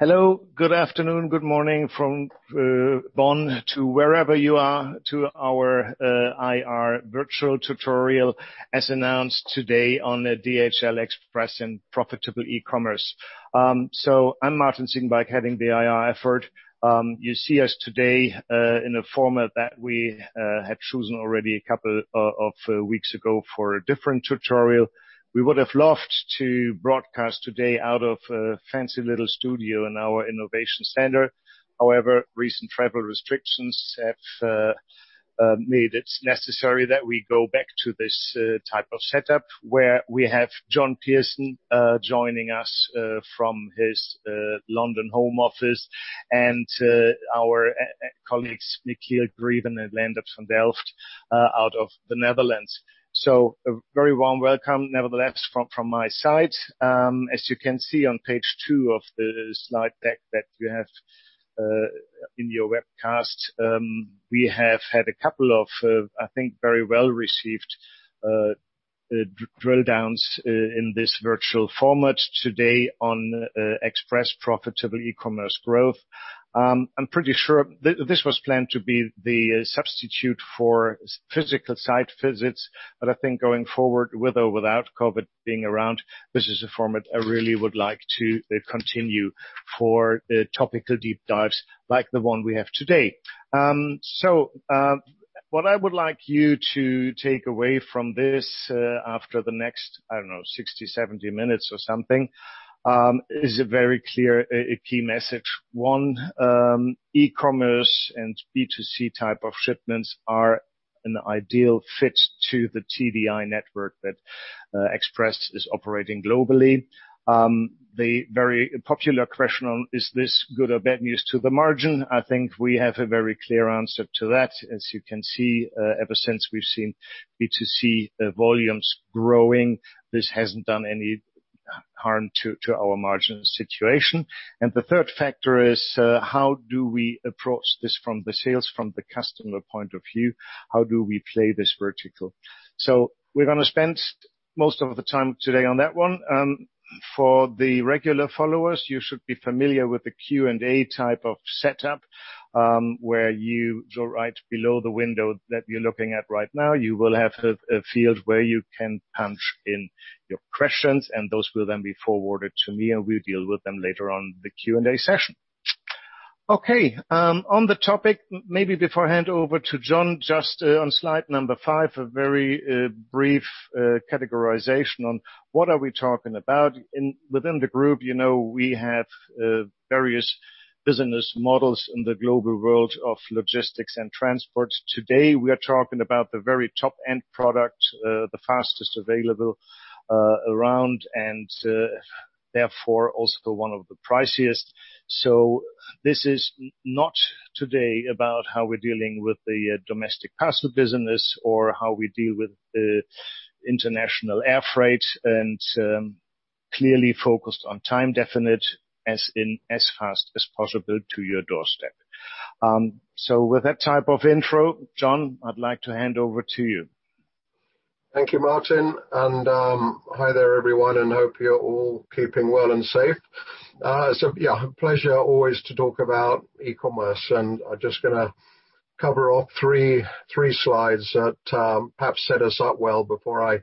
Hello. Good afternoon, good morning from Bonn to wherever you are to our IR virtual tutorial, as announced today on DHL Express and profitable e-commerce. I'm Martin Ziegenbalg, heading the IR effort. You see us today in a format that we had chosen already a couple of weeks ago for a different tutorial. We would have loved to broadcast today out of a fancy little studio in our innovation center. However, recent travel restrictions have made it necessary that we go back to this type of setup, where we have John Pearson joining us from his London home office and our colleagues, Michiel Greeven and Leendert van Delft out of the Netherlands. A very warm welcome, nevertheless, from my side. As you can see on page two of the slide deck that you have in your webcast, we have had a couple of, I think, very well-received drill-downs in this virtual format today on Express profitable e-commerce growth. This was planned to be the substitute for physical site visits. I think going forward, with or without COVID being around, this is a format I really would like to continue for topical deep dives like the one we have today. What I would like you to take away from this after the next, I don't know, 60, 70 minutes or something, is a very clear key message. One, e-commerce and B2C type of shipments are an ideal fit to the TDI network that Express is operating globally. The very popular question on is this good or bad news to the margin? I think we have a very clear answer to that. As you can see, ever since we've seen B2C volumes growing, this hasn't done any harm to our margin situation. The third factor is how do we approach this from the sales, from the customer point of view? How do we play this vertical? We're going to spend most of the time today on that one. For the regular followers, you should be familiar with the Q&A type of setup, where you go right below the window that you're looking at right now. You will have a field where you can punch in your questions, and those will then be forwarded to me, and we'll deal with them later on the Q&A session. Okay. On the topic, maybe before I hand over to John, just on slide number five, a very brief categorization on what are we talking about. Within the group, we have various business models in the global world of logistics and transport. Today, we are talking about the very top-end product, the fastest available around, and therefore also one of the priciest. This is not today about how we're dealing with the domestic parcel business or how we deal with the international air freight, and clearly focused on time definite as in as fast as possible to your doorstep. With that type of intro, John, I'd like to hand over to you. Thank you, Martin. Hi there, everyone, and hope you're all keeping well and safe. Yeah, a pleasure always to talk about e-commerce, and I'm just going to cover off three slides that perhaps set us up well before I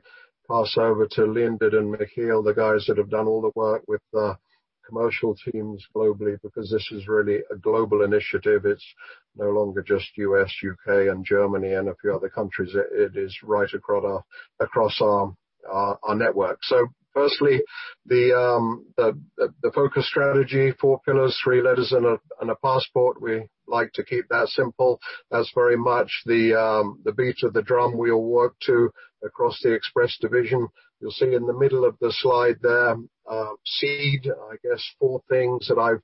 pass over to Leendert and Michiel, the guys that have done all the work with the commercial teams globally, because this is really a global initiative. It's no longer just U.S., U.K., and Germany and a few other countries. It is right across our network. Firstly, the FOCUS strategy, four pillars, three letters and a passport. We like to keep that simple. That's very much the beat of the drum we all work to across the Express Division. You'll see in the middle of the slide there, seed, I guess, four things that I've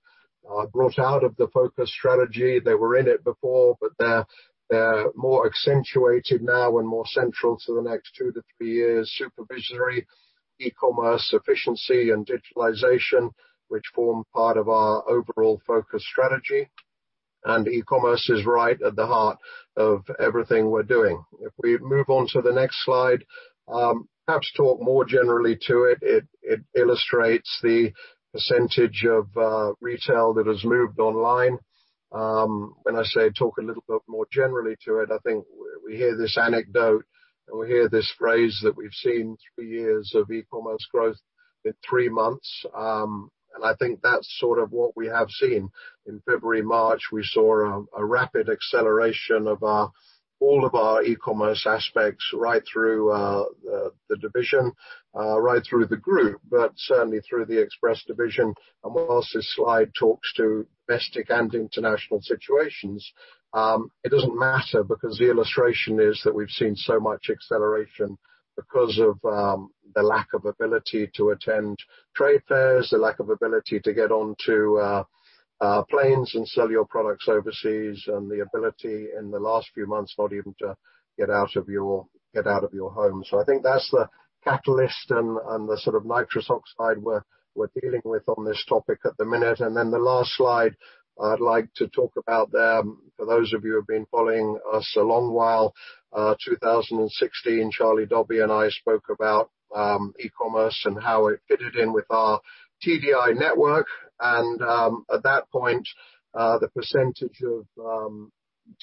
brought out of the FOCUS strategy. They were in it before, they're more accentuated now and more central to the next two to three years. Super visionary, e-commerce, efficiency, and digitalization, which form part of our overall FOCUS strategy. E-commerce is right at the heart of everything we're doing. If we move on to the next slide, perhaps talk more generally to it. It illustrates the % of retail that has moved online. When I say talk a little bit more generally to it, I think we hear this anecdote and we hear this phrase that we've seen three years of e-commerce growth in three months, and I think that's sort of what we have seen. In February, March, we saw a rapid acceleration of all of our e-commerce aspects right through the division, right through the group, but certainly through the Express division. Whilst this slide talks to domestic and international situations, it doesn't matter because the illustration is that we've seen so much acceleration because of the lack of ability to attend trade fairs, the lack of ability to get onto planes and sell your products overseas, and the ability in the last few months, not even to get out of your home. I think that's the catalyst and the sort of nitrous oxide we're dealing with on this topic at the minute. The last slide I'd like to talk about there, for those of you who've been following us a long while, 2016, Charlie Dobbie and I spoke about e-commerce and how it fitted in with our TDI network. At that point, the percentage of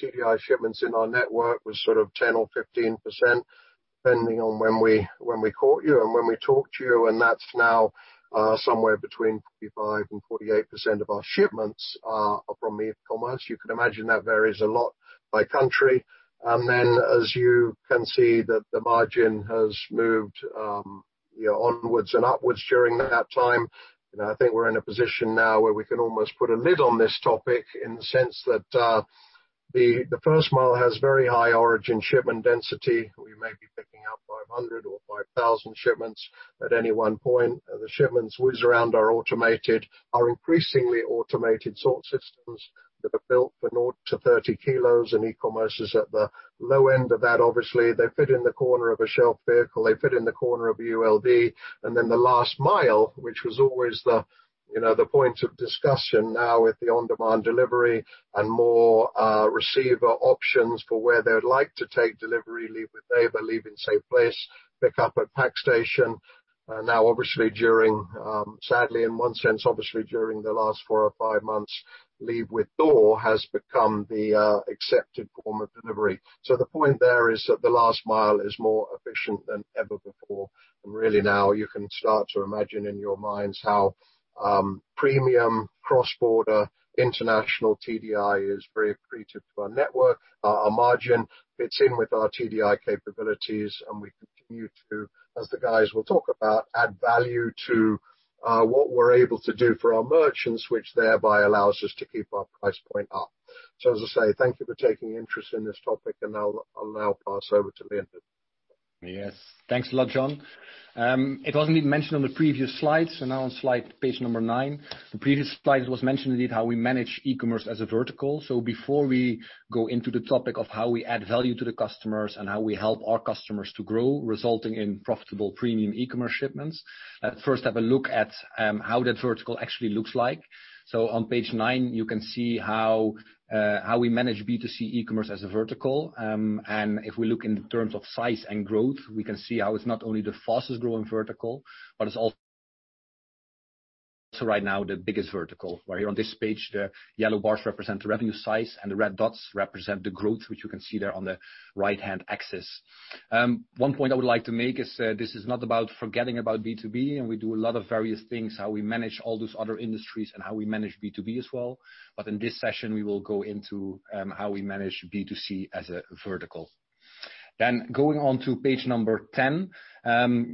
TDI shipments in our network was 10% or 15%, depending on when we caught you and when we talked to you, and that's now somewhere between 45% and 48% of our shipments are from e-commerce. You can imagine that varies a lot by country. As you can see that the margin has moved onwards and upwards during that time. I think we're in a position now where we can almost put a lid on this topic in the sense that the first mile has very high origin shipment density. We may be picking up 500 or 5,000 shipments at any one point. The shipments whiz around our automated, our increasingly automated sort systems that are built for 0-30 kilos, and e-commerce is at the low end of that. Obviously, they fit in the corner of a shelf vehicle. They fit in the corner of a ULD. The last mile, which was always the point of discussion now with the On-Demand Delivery and more receiver options for where they would like to take delivery, leave with neighbor, leave in safe place, pick up at Packstation. Obviously during, sadly, in one sense, obviously during the last four or five months, leave with door has become the accepted form of delivery. The point there is that the last mile is more efficient than ever before. Really now you can start to imagine in your minds how premium cross-border international TDI is very accretive to our network, our margin, fits in with our TDI capabilities, and we continue to, as the guys will talk about, add value to what we're able to do for our merchants, which thereby allows us to keep our price point up. As I say, thank you for taking interest in this topic, and I'll now pass over to Leendert. Yes. Thanks a lot, John. It wasn't even mentioned on the previous slides, so now on slide page number nine. The previous slide was mentioned indeed how we manage e-commerce as a vertical. Before we go into the topic of how we add value to the customers and how we help our customers to grow, resulting in profitable premium e-commerce shipments, let's first have a look at how that vertical actually looks like. On page nine, you can see how we manage B2C e-commerce as a vertical. If we look in terms of size and growth, we can see how it's not only the fastest growing vertical, but it's also right now the biggest vertical. Right here on this page, the yellow bars represent the revenue size, and the red dots represent the growth, which you can see there on the right-hand axis. One point I would like to make is this is not about forgetting about B2B, and we do a lot of various things, how we manage all those other industries and how we manage B2B as well. In this session, we will go into how we manage B2C as a vertical. Going on to page number 10,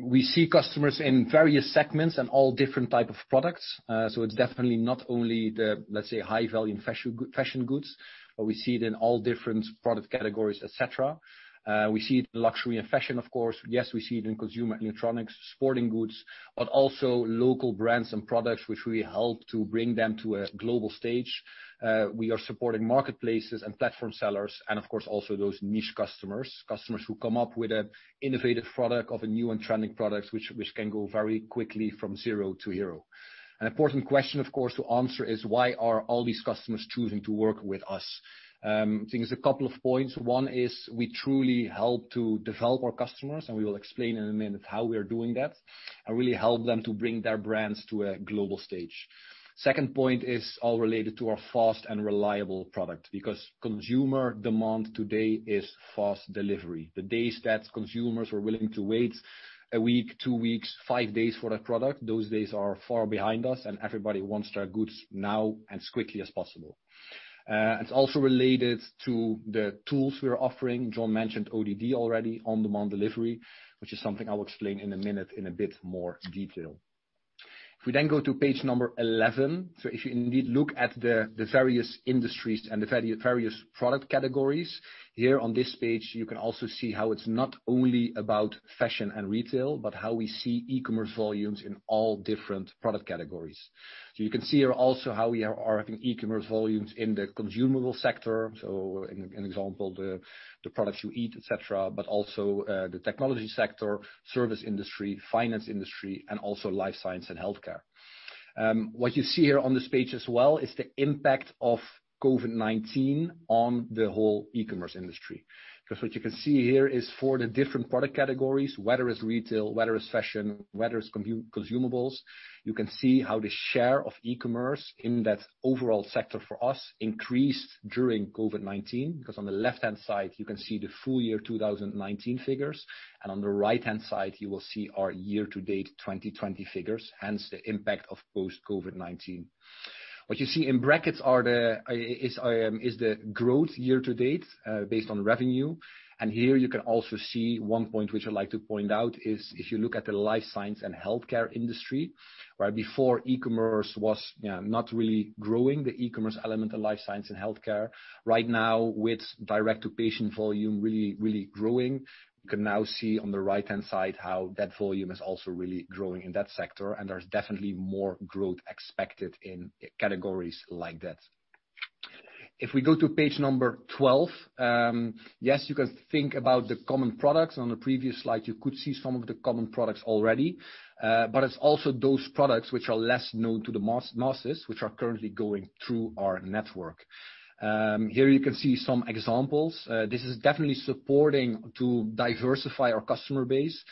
we see customers in various segments and all different type of products. It's definitely not only the, let's say, high-value and fashion goods, but we see it in all different product categories, et cetera. We see it in luxury and fashion, of course. Yes, we see it in consumer electronics, sporting goods, but also local brands and products which we help to bring them to a global stage. We are supporting marketplaces and platform sellers and of course, also those niche customers who come up with an innovative product of a new and trending product, which can go very quickly from zero to hero. An important question, of course, to answer is why are all these customers choosing to work with us? I think it's a couple of points. One is we truly help to develop our customers, and we will explain in a minute how we are doing that, and really help them to bring their brands to a global stage. Second point is all related to our fast and reliable product, because consumer demand today is fast delivery. The days that consumers were willing to wait a week, two weeks, five days for a product, those days are far behind us and everybody wants their goods now as quickly as possible. It's also related to the tools we are offering. John mentioned ODD already, On-Demand Delivery, which is something I will explain in a minute in a bit more detail. If we then go to page number 11, if you indeed look at the various industries and the various product categories. Here on this page, you can also see how it's not only about fashion and retail, but how we see e-commerce volumes in all different product categories. You can see here also how we are having e-commerce volumes in the consumable sector. An example, the products you eat, et cetera, but also the technology sector, service industry, finance industry, and also Life Sciences and Healthcare. What you see here on this page as well is the impact of COVID-19 on the whole e-commerce industry. What you can see here is for the different product categories, whether it's retail, whether it's fashion, whether it's consumables, you can see how the share of e-commerce in that overall sector for us increased during COVID-19. On the left-hand side, you can see the full year 2019 figures, and on the right-hand side, you will see our year-to-date 2020 figures, hence the impact of post-COVID-19. What you see in brackets is the growth year to date based on revenue. Here you can also see one point which I'd like to point out is if you look at the Life Sciences and Healthcare industry. Before e-commerce was not really growing, the e-commerce element of Life Sciences and Healthcare. Right now, with direct-to-patient volume really growing, you can now see on the right-hand side how that volume is also really growing in that sector, and there's definitely more growth expected in categories like that. If we go to page number 12, yes, you can think about the common products. On the previous slide, you could see some of the common products already, but it's also those products which are less known to the masses, which are currently going through our network. Here you can see some examples. This is definitely supporting to diversify our customer base.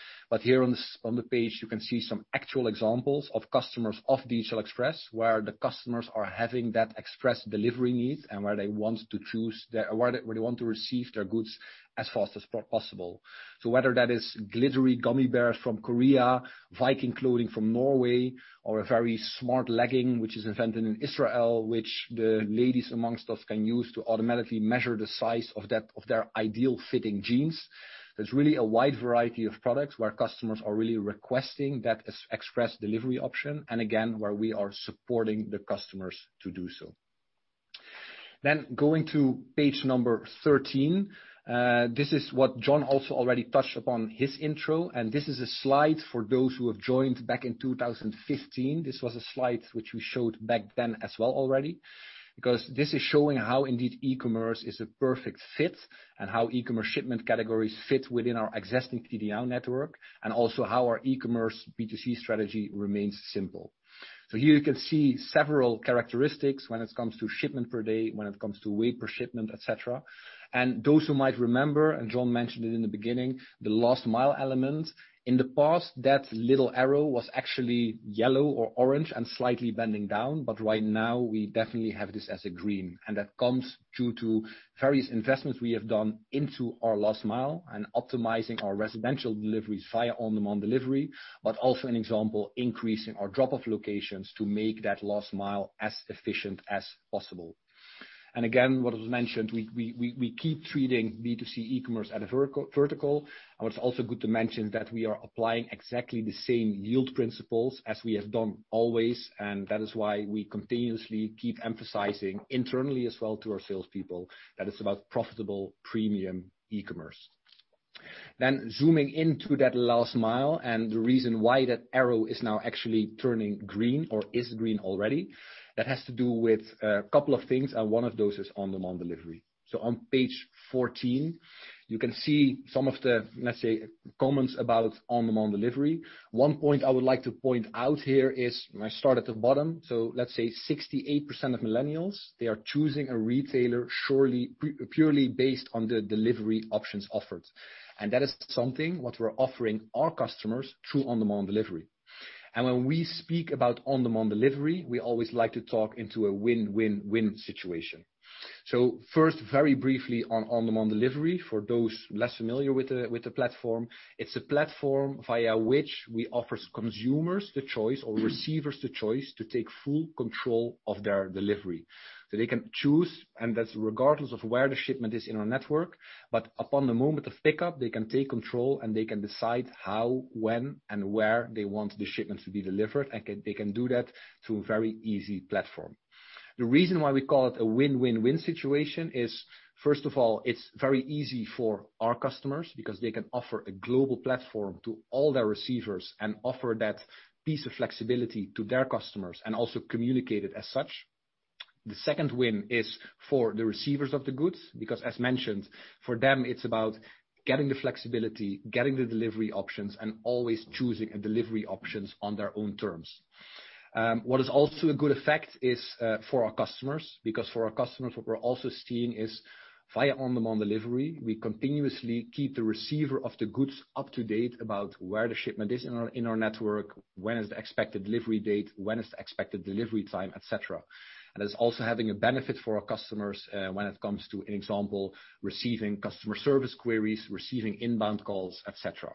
Here on the page, you can see some actual examples of customers of DHL Express, where the customers are having that express delivery needs and where they want to receive their goods as fast as possible. Whether that is glittery gummy bears from Korea, Viking clothing from Norway, or a very smart legging which is invented in Israel, which the ladies amongst us can use to automatically measure the size of their ideal fitting jeans. There's really a wide variety of products where customers are really requesting that express delivery option, and again, where we are supporting the customers to do so. Going to page number 13. This is what John also already touched upon his intro, and this is a slide for those who have joined back in 2015. This was a slide which we showed back then as well already. This is showing how indeed e-commerce is a perfect fit, and how e-commerce shipment categories fit within our existing TDI network, and also how our e-commerce B2C strategy remains simple. Here you can see several characteristics when it comes to shipment per day, when it comes to weight per shipment, et cetera. Those who might remember, and John mentioned it in the beginning, the last mile element. In the past, that little arrow was actually yellow or orange and slightly bending down, but right now we definitely have this as a green, and that comes due to various investments we have done into our last mile and optimizing our residential deliveries via On-Demand Delivery, but also an example, increasing our drop-off locations to make that last mile as efficient as possible. Again, what was mentioned, we keep treating B2C e-commerce at a vertical. What's also good to mention that we are applying exactly the same yield principles as we have done always. That is why we continuously keep emphasizing internally as well to our salespeople that it's about profitable premium e-commerce. Zooming into that last mile and the reason why that arrow is now actually turning green or is green already, that has to do with a couple of things, and one of those is On-Demand Delivery. On page 14, you can see some of the, let's say, comments about On-Demand Delivery. One point I would like to point out here is, I start at the bottom. Let's say 68% of millennials, they are choosing a retailer purely based on the delivery options offered. That is something what we're offering our customers through On-Demand Delivery. When we speak about On-Demand Delivery, we always like to talk into a win-win-win situation. First, very briefly on On-Demand Delivery, for those less familiar with the platform, it's a platform via which we offer consumers the choice or receivers the choice to take full control of their delivery. They can choose, and that's regardless of where the shipment is in our network. Upon the moment of pickup, they can take control and they can decide how, when, and where they want the shipment to be delivered, and they can do that through a very easy platform. The reason why we call it a win-win-win situation is, first of all, it's very easy for our customers because they can offer a global platform to all their receivers and offer that piece of flexibility to their customers, and also communicate it as such. The second win is for the receivers of the goods, because as mentioned, for them, it's about getting the flexibility, getting the delivery options, and always choosing a delivery options on their own terms. What is also a good effect is for our customers, because for our customers, what we're also seeing is via On-Demand Delivery, we continuously keep the receiver of the goods up to date about where the shipment is in our network, when is the expected delivery date, when is the expected delivery time, et cetera. It's also having a benefit for our customers when it comes to, an example, receiving customer service queries, receiving inbound calls, et cetera.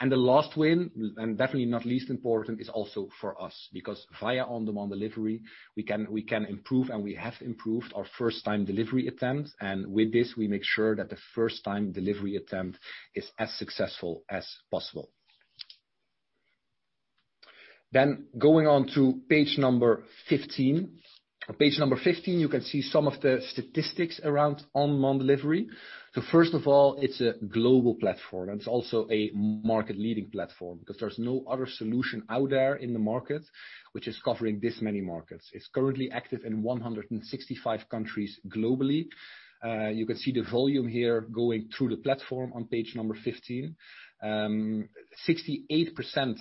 The last win, and definitely not least important, is also for us, because via On-Demand Delivery, we can improve and we have improved our first time delivery attempt. With this, we make sure that the first time delivery attempt is as successful as possible. Going on to page number 15. On page number 15, you can see some of the statistics around On-Demand Delivery. First of all, it's a global platform, and it's also a market leading platform because there's no other solution out there in the market which is covering this many markets. It's currently active in 165 countries globally. You can see the volume here going through the platform on page number 15. 68%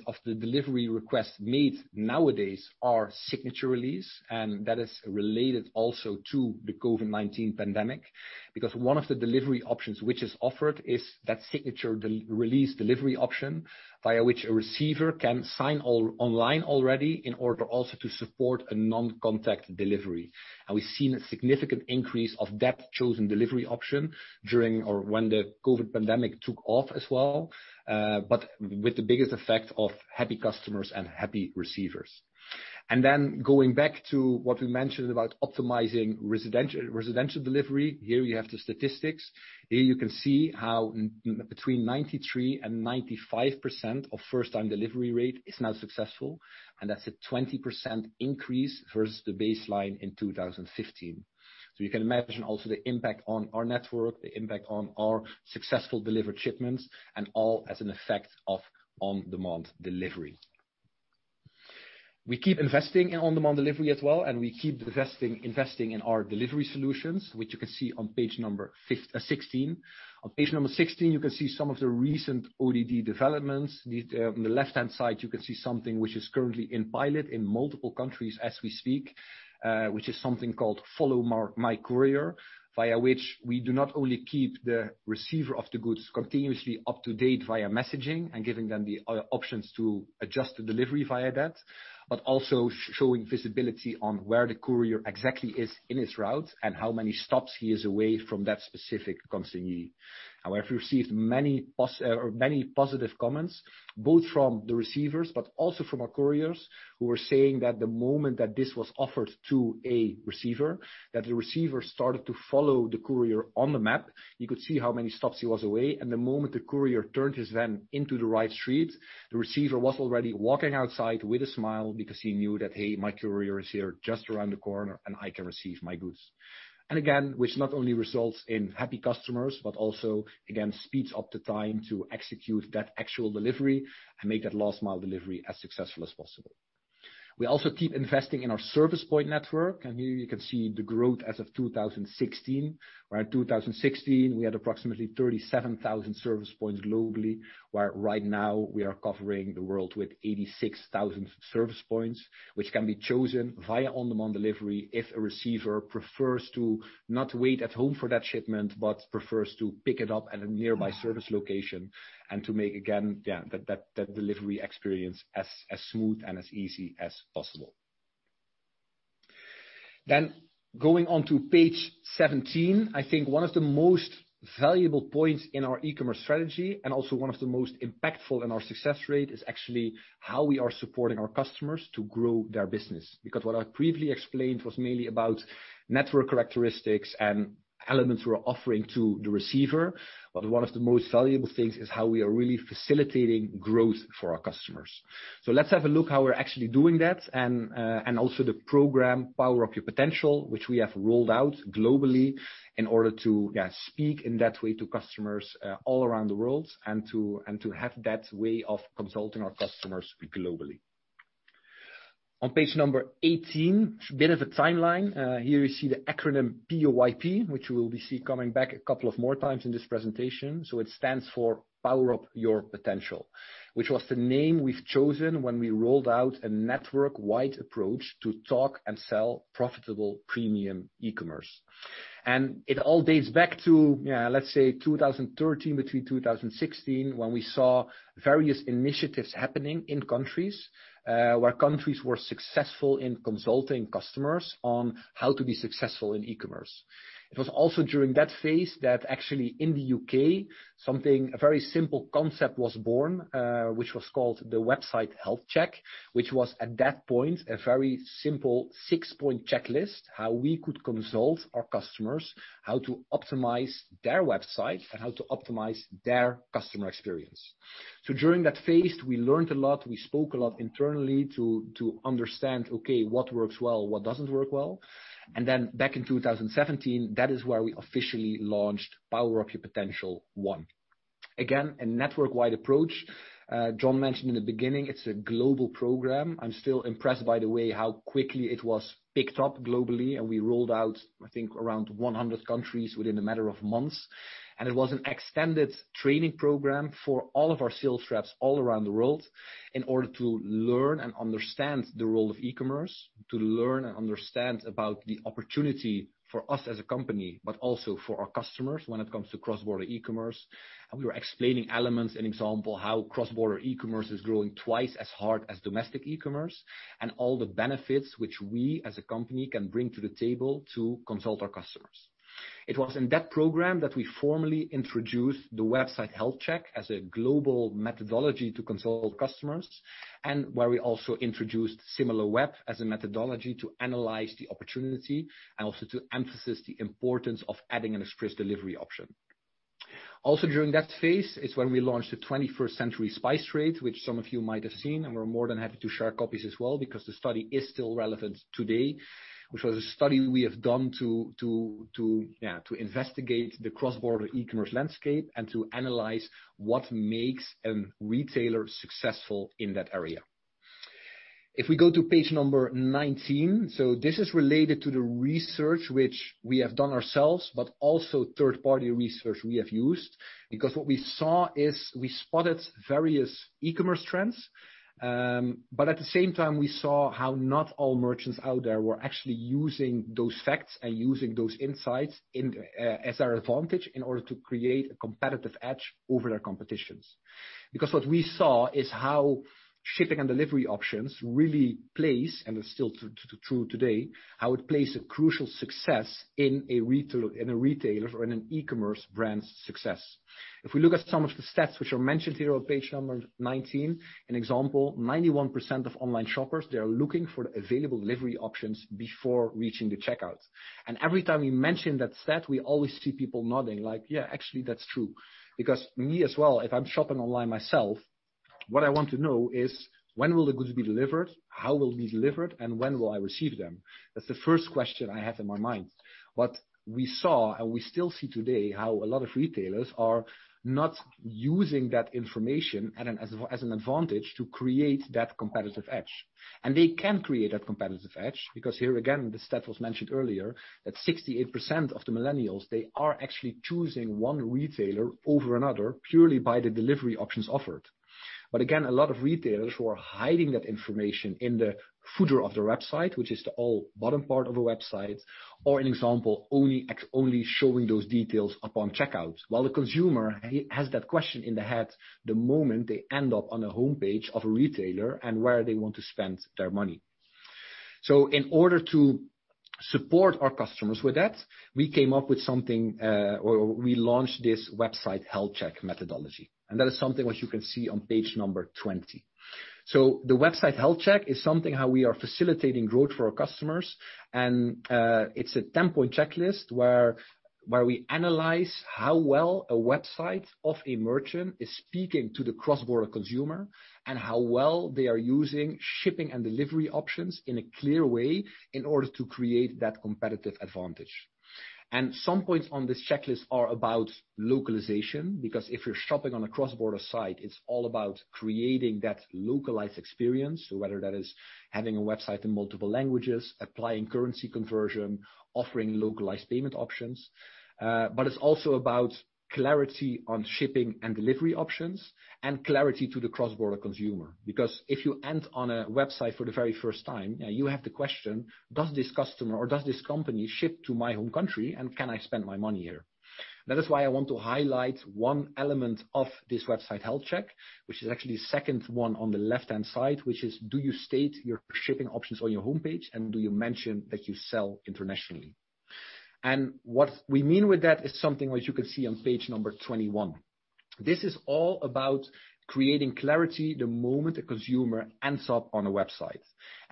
of the delivery requests made nowadays are Signature Release, and that is related also to the COVID-19 pandemic because one of the delivery options which is offered is that Signature Release delivery option via which a receiver can sign online already in order also to support a non-contact delivery. We've seen a significant increase of that chosen delivery option during or when the COVID pandemic took off as well, but with the biggest effect of happy customers and happy receivers. Going back to what we mentioned about optimizing residential delivery. Here you have the statistics. Here you can see how between 93% and 95% of first-time delivery rate is now successful, and that's a 20% increase versus the baseline in 2015. You can imagine also the impact on our network, the impact on our successful delivered shipments, and all as an effect of On-Demand Delivery. We keep investing in On-Demand Delivery as well, and we keep investing in our delivery solutions, which you can see on page number 16. On page number 16, you can see some of the recent ODD developments. On the left-hand side, you can see something which is currently in pilot in multiple countries as we speak, which is something called Follow My Courier, via which we do not only keep the receiver of the goods continuously up to date via messaging and giving them the options to adjust the delivery via that, but also showing visibility on where the courier exactly is in his route and how many stops he is away from that specific consignee. Now, we have received many positive comments, both from the receivers but also from our couriers, who were saying that the moment that this was offered to a receiver, that the receiver started to follow the courier on the map. You could see how many stops he was away, and the moment the courier turned his van into the right street, the receiver was already walking outside with a smile because he knew that, hey, my courier is here just around the corner, and I can receive my goods. Again, which not only results in happy customers, but also, again, speeds up the time to execute that actual delivery and make that last mile delivery as successful as possible. We also keep investing in our service point network. Here you can see the growth as of 2016, where in 2016, we had approximately 37,000 service points globally, where right now we are covering the world with 86,000 service points, which can be chosen via On-Demand Delivery if a receiver prefers to not wait at home for that shipment, but prefers to pick it up at a nearby service location, and to make, again, that delivery experience as smooth and as easy as possible. Going on to page 17. I think one of the most valuable points in our e-commerce strategy, and also one of the most impactful in our success rate, is actually how we are supporting our customers to grow their business. What I previously explained was mainly about network characteristics and elements we're offering to the receiver. One of the most valuable things is how we are really facilitating growth for our customers. Let's have a look how we're actually doing that and also the program, Power Up Your Potential, which we have rolled out globally in order to, yeah, speak in that way to customers all around the world and to have that way of consulting our customers globally. On page 18, a bit of a timeline. Here you see the acronym PUYP, which we will be seeing coming back a couple of more times in this presentation. It stands for Power Up Your Potential, which was the name we've chosen when we rolled out a network-wide approach to talk and sell profitable premium e-commerce. It all dates back to, let's say, 2013 between 2016, when we saw various initiatives happening in countries, where countries were successful in consulting customers on how to be successful in e-commerce. It was also during that phase that actually in the U.K., something, a very simple concept was born, which was called the Website Health Check, which was at that point, a very simple six-point checklist, how we could consult our customers, how to optimize their website, and how to optimize their customer experience. During that phase, we learned a lot, we spoke a lot internally to understand, okay, what works well, what doesn't work well. Back in 2017, that is where we officially launched Power Up Your Potential one. Again, a network-wide approach. John mentioned in the beginning, it's a global program. I'm still impressed, by the way, how quickly it was picked up globally, and we rolled out, I think, around 100 countries within a matter of months. It was an extended training program for all of our sales reps all around the world in order to learn and understand the role of e-commerce, to learn and understand about the opportunity for us as a company, but also for our customers when it comes to cross-border e-commerce. We were explaining elements and example, how cross-border e-commerce is growing twice as hard as domestic e-commerce, and all the benefits which we as a company can bring to the table to consult our customers. It was in that program that we formally introduced the Website Health Check as a global methodology to consult customers, and where we also introduced Similarweb as a methodology to analyze the opportunity and also to emphasize the importance of adding an express delivery option. Also during that phase, it's when we launched The 21st Century Spice Trade, which some of you might have seen, and we're more than happy to share copies as well because the study is still relevant today. Which was a study we have done to, yeah, to investigate the cross-border e-commerce landscape and to analyze what makes a retailer successful in that area. If we go to page number 19, this is related to the research which we have done ourselves, but also third-party research we have used, because what we saw is we spotted various e-commerce trends. At the same time, we saw how not all merchants out there were actually using those facts and using those insights as their advantage in order to create a competitive edge over their competitions. What we saw is how shipping and delivery options really place, and it's still true today, how it plays a crucial success in a retailer or in an e-commerce brand's success. If we look at some of the stats which are mentioned here on page number 19, an example, 91% of online shoppers, they are looking for the available delivery options before reaching the checkout. Every time we mention that stat, we always see people nodding like, "Yeah, actually, that's true." Me as well, if I'm shopping online myself, what I want to know is when will the goods be delivered, how will it be delivered, and when will I receive them? That's the first question I have in my mind. What we saw, and we still see today, how a lot of retailers are not using that information as an advantage to create that competitive edge. They can create that competitive edge, because here again, the stat was mentioned earlier, that 68% of the millennials, they are actually choosing one retailer over another purely by the delivery options offered. Again, a lot of retailers who are hiding that information in the footer of their website, which is the all bottom part of a website, or an example, only showing those details upon checkout, while the consumer has that question in the head the moment they end up on the homepage of a retailer and where they want to spend their money. In order to support our customers with that, we came up with something, or we launched this Website Health Check methodology, and that is something which you can see on page 20. The Website Health Check is something how we are facilitating growth for our customers, and it's a 10-point checklist where we analyze how well a website of a merchant is speaking to the cross-border consumer, and how well they are using shipping and delivery options in a clear way in order to create that competitive advantage. Some points on this checklist are about localization, because if you're shopping on a cross-border site, it's all about creating that localized experience, whether that is having a website in multiple languages, applying currency conversion, offering localized payment options. It's also about clarity on shipping and delivery options and clarity to the cross-border consumer. Because if you end on a website for the very first time, you have the question, does this customer or does this company ship to my home country, and can I spend my money here. That is why I want to highlight one element of this Website Health Check, which is actually the second one on the left-hand side, which is, do you state your shipping options on your homepage, and do you mention that you sell internationally? What we mean with that is something which you can see on page number 21. This is all about creating clarity the moment the consumer ends up on the website.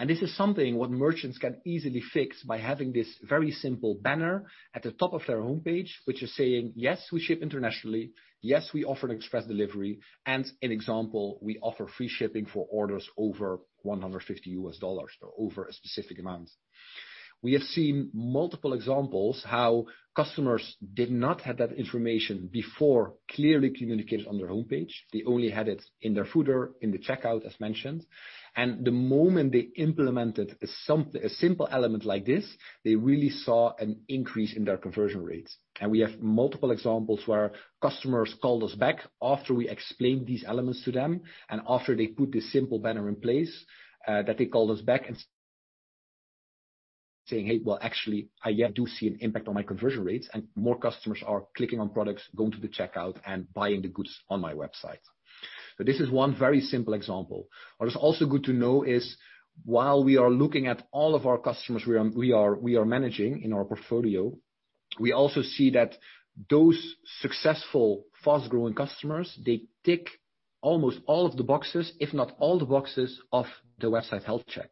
This is something what merchants can easily fix by having this very simple banner at the top of their homepage, which is saying, "Yes, we ship internationally. Yes, we offer an express delivery," and an example, "We offer free shipping for orders over $150," over a specific amount. We have seen multiple examples how customers did not have that information before clearly communicated on their homepage. They only had it in their footer, in the checkout, as mentioned. The moment they implemented a simple element like this, they really saw an increase in their conversion rates. We have multiple examples where customers called us back after we explained these elements to them and after they put this simple banner in place, that they called us back and saying, "Hey, well, actually, I do see an impact on my conversion rates, and more customers are clicking on products, going to the checkout and buying the goods on my website." This is one very simple example. What is also good to know is while we are looking at all of our customers we are managing in our portfolio, we also see that those successful fast-growing customers, they tick almost all of the boxes, if not all the boxes of the Website Health Check.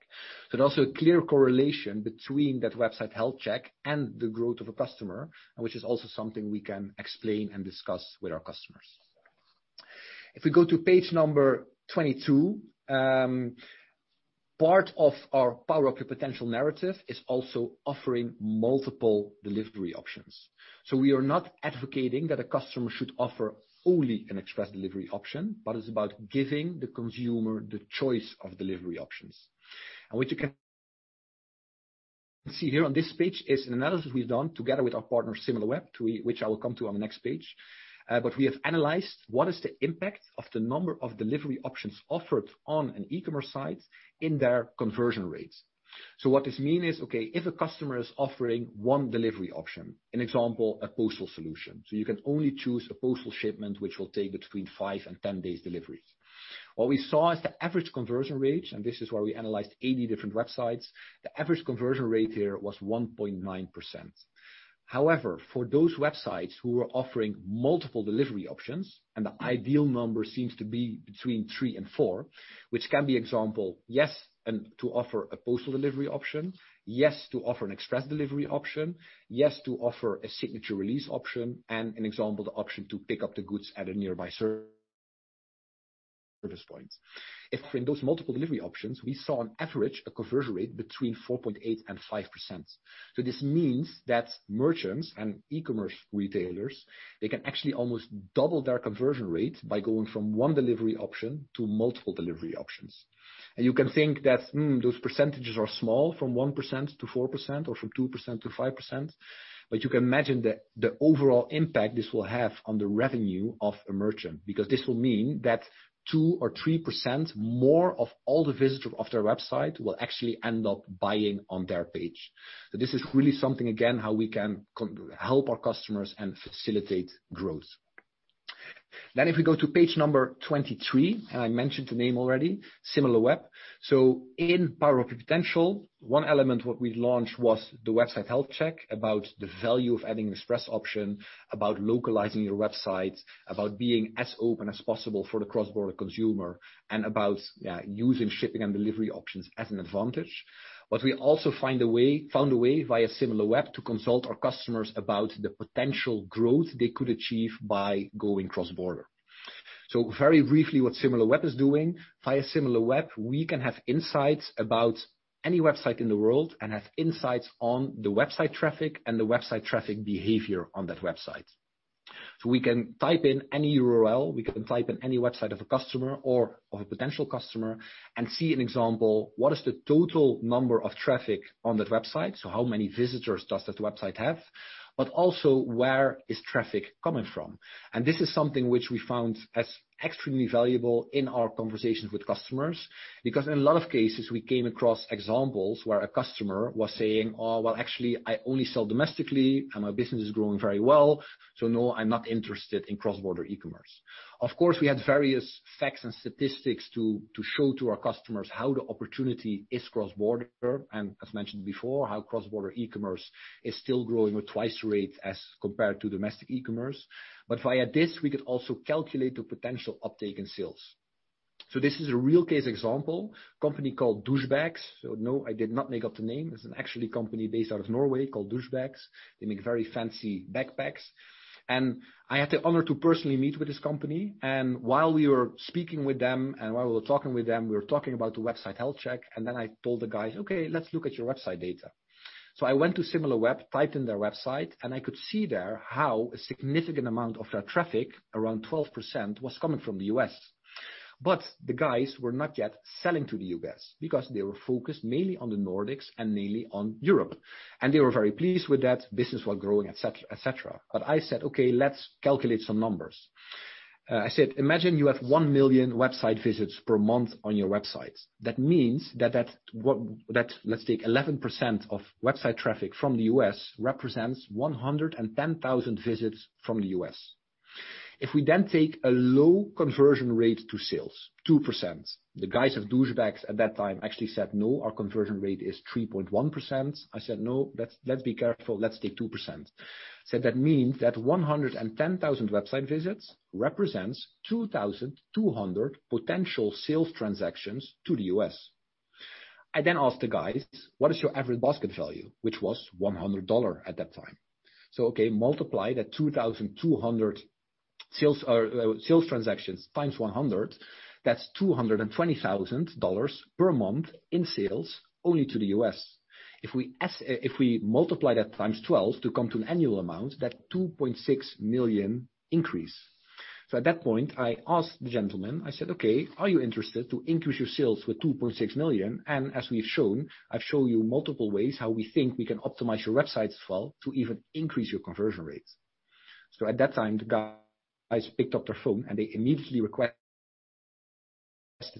It's also a clear correlation between that Website Health Check and the growth of a customer, which is also something we can explain and discuss with our customers. If we go to page number 22, part of our Power Up Your Potential narrative is also offering multiple delivery options. We are not advocating that a customer should offer only an express delivery option, but it's about giving the consumer the choice of delivery options. What you can see here on this page is an analysis we’ve done together with our partner, Similarweb, which I will come to on the next page. We have analyzed what is the impact of the number of delivery options offered on an e-commerce site in their conversion rates. What this mean is, okay, if a customer is offering one delivery option, an example, a postal solution. You can only choose a postal shipment, which will take between five and 10 days deliveries. What we saw is the average conversion rate, and this is where we analyzed 80 different websites. The average conversion rate here was 1.9%. For those websites who are offering multiple delivery options, and the ideal number seems to be between three and four, which can be example, yes, to offer a postal delivery option, yes to offer an express delivery option, yes to offer a Signature Release option and an example the option to pick up the goods at a nearby service point. If in those multiple delivery options, we saw on average a conversion rate between 4.8% and 5%. This means that merchants and e-commerce retailers, they can actually almost double their conversion rate by going from one delivery option to multiple delivery options. You can think that those percentages are small from 1%-4% or from 2%-5%, but you can imagine that the overall impact this will have on the revenue of a merchant, because this will mean that 2% or 3% more of all the visitors of their website will actually end up buying on their page. This is really something, again, how we can help our customers and facilitate growth. If we go to page number 23, and I mentioned the name already, Similarweb. In Power Up Your Potential, one element what we launched was the Website Health Check, about the value of adding an express option, about localizing your website, about being as open as possible for the cross-border consumer, and about using shipping and delivery options as an advantage. We also found a way via Similarweb to consult our customers about the potential growth they could achieve by going cross-border. Very briefly, what Similarweb is doing. Via Similarweb, we can have insights about any website in the world and have insights on the website traffic and the website traffic behavior on that website. We can type in any URL, we can type in any website of a customer or of a potential customer and see an example, what is the total number of traffic on that website? How many visitors does that website have? Also, where is traffic coming from? This is something which we found as extremely valuable in our conversations with customers, because in a lot of cases, we came across examples where a customer was saying, "Oh, well, actually, I only sell domestically, and my business is growing very well. No, I'm not interested in cross-border e-commerce. Of course, we had various facts and statistics to show to our customers how the opportunity is cross-border, and as mentioned before, how cross-border e-commerce is still growing with twice the rate as compared to domestic e-commerce. Via this, we could also calculate the potential uptake in sales. This is a real case example, a company called Douchebags. No, I did not make up the name. It's an actually company based out of Norway called Douchebags. They make very fancy backpacks. I had the honor to personally meet with this company. While we were speaking with them and while we were talking with them, we were talking about the Website Health Check. I told the guys, "Okay, let's look at your website data." I went to Similarweb, typed in their website, and I could see there how a significant amount of their traffic, around 12%, was coming from the U.S. The guys were not yet selling to the U.S. because they were focused mainly on the Nordics and mainly on Europe. They were very pleased with that. Business was growing, et cetera. I said, "Okay, let's calculate some numbers." I said, "Imagine you have 1 million website visits per month on your website. Means that, let's take 11% of website traffic from the U.S. represents 110,000 visits from the U.S. We then take a low conversion rate to sales, 2%, the guys of Douchebags at that time actually said, "No, our conversion rate is 3.1%." I said, "No, let's be careful. Let's take 2%." That means that 110,000 website visits represents 2,200 potential sales transactions to the U.S. I then asked the guys, "What is your average basket value?" Which was $100 at that time. Okay, multiply that 2,200 sales transactions times 100, that's $220,000 per month in sales only to the U.S. We multiply that times 12 to come to an annual amount, that's $2.6 million increase. At that point, I asked the gentleman, I said, "Okay, are you interested to increase your sales with $2.6 million? As we've shown, I've shown you multiple ways how we think we can optimize your website as well to even increase your conversion rates. At that time, the guys picked up their phone, and they immediately requested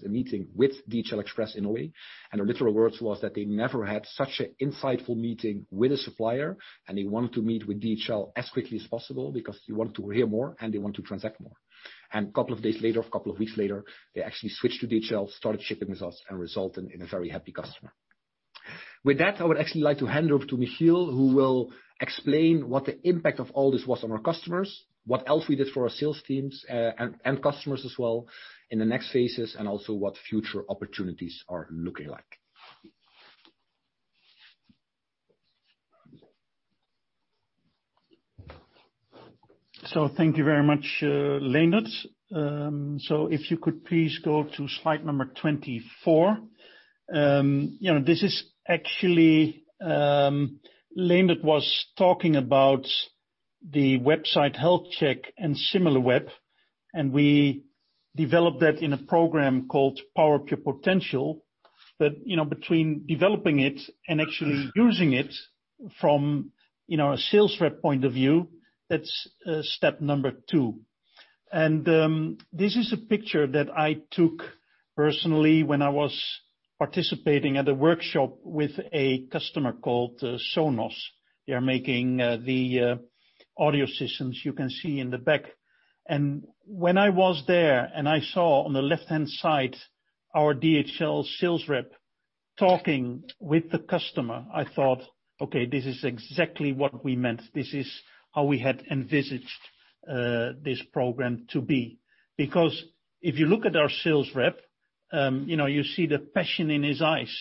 a meeting with DHL Express in Norway, and their literal words was that they never had such an insightful meeting with a supplier, and they wanted to meet with DHL as quickly as possible because they wanted to hear more and they want to transact more. A couple of days later, a couple of weeks later, they actually switched to DHL, started shipping with us, and resulted in a very happy customer. With that, I would actually like to hand over to Michiel, who will explain what the impact of all this was on our customers, what else we did for our sales teams and customers as well in the next phases, and also what future opportunities are looking like. Thank you very much, Leendert. If you could please go to slide number 24. This is actually, Leendert was talking about the Website Health Check and Similarweb, and we developed that in a program called Power Up Your Potential. Between developing it and actually using it from a sales rep point of view, that's step number two. This is a picture that I took personally when I was participating at a workshop with a customer called Sonos. They are making the audio systems you can see in the back. When I was there and I saw on the left-hand side our DHL sales rep talking with the customer, I thought, "Okay, this is exactly what we meant. This is how we had envisaged this program to be." Because if you look at our sales rep, you see the passion in his eyes.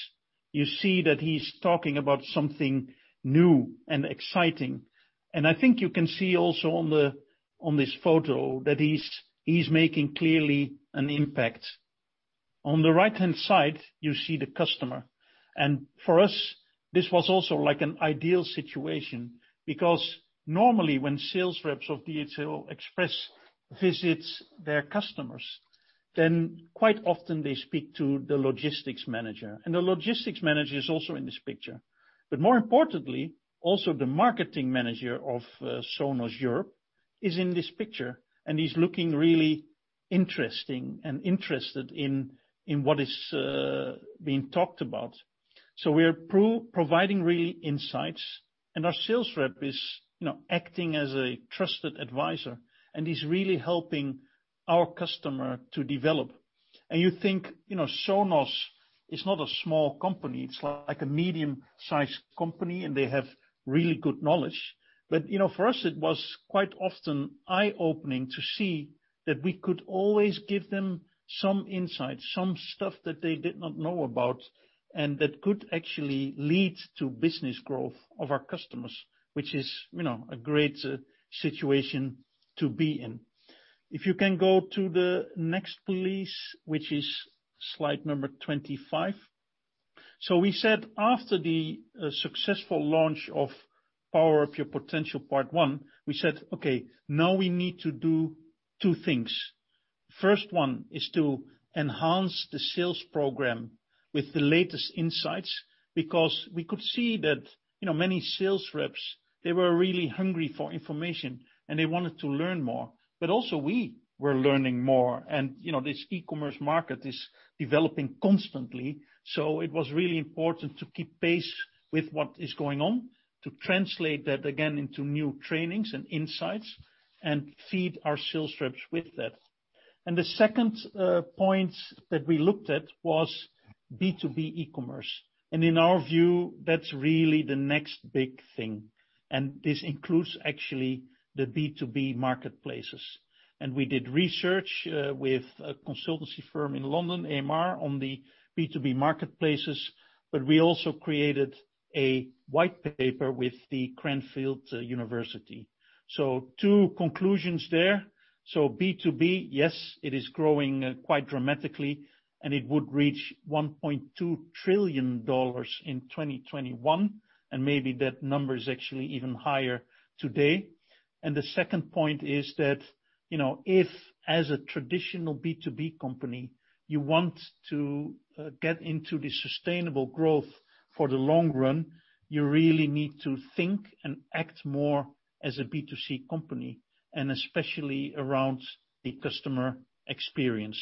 You see that he's talking about something new and exciting. I think you can see also on this photo that he's making clearly an impact. On the right-hand side, you see the customer. For us, this was also like an ideal situation because normally when sales reps of DHL Express visits their customers, then quite often they speak to the logistics manager. The logistics manager is also in this picture. More importantly, also the marketing manager of Sonos Europe is in this picture, and he's looking really interesting and interested in what is being talked about. We are providing real insights, and our sales rep is acting as a trusted advisor and is really helping our customer to develop. You think, Sonos is not a small company. It's like a medium-sized company, and they have really good knowledge. For us, it was quite often eye-opening to see that we could always give them some insight, some stuff that they did not know about, and that could actually lead to business growth of our customers, which is a great situation to be in. If you can go to the next, please, which is slide number 25. So we said after the successful launch of Power Up Your Potential part one, we said, "Okay, now we need to do two things." First one is to enhance the sales program with the latest insights, because we could see that, many sales reps, they were really hungry for information, and they wanted to learn more. Also we were learning more and, this e-commerce market is developing constantly, so it was really important to keep pace with what is going on, to translate that again into new trainings and insights, and feed our sales reps with that. The second point that we looked at was B2B e-commerce. In our view, that's really the next big thing. This includes actually the B2B marketplaces. We did research, with a consultancy firm in London, AMR, on the B2B marketplaces, but we also created a white paper with the Cranfield University. Two conclusions there. B2B, yes, it is growing quite dramatically, and it would reach $1.2 trillion in 2021, and maybe that number is actually even higher today. The second point is that, if as a traditional B2B company, you want to get into the sustainable growth for the long run, you really need to think and act more as a B2C company, and especially around the customer experience.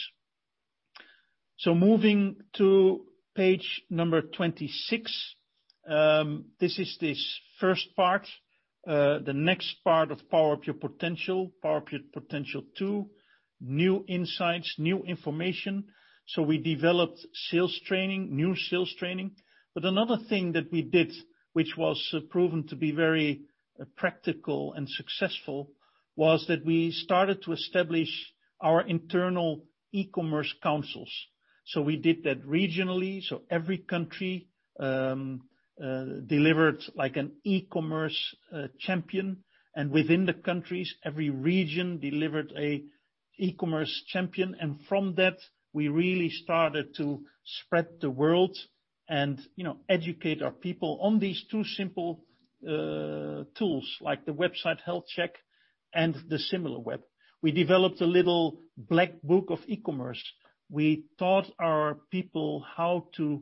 Moving to page number 26. This is this first part, the next part of Power Up Your Potential, Power Up Your Potential 2, new insights, new information. We developed sales training, new sales training. Another thing that we did, which was proven to be very practical and successful, was that we started to establish our internal e-commerce councils. We did that regionally. Every country delivered like an e-commerce champion. Within the countries, every region delivered a e-commerce champion. From that, we really started to spread the word and educate our people on these two simple tools, like the Website Health Check and Similarweb. We developed a little black book of e-commerce. We taught our people how to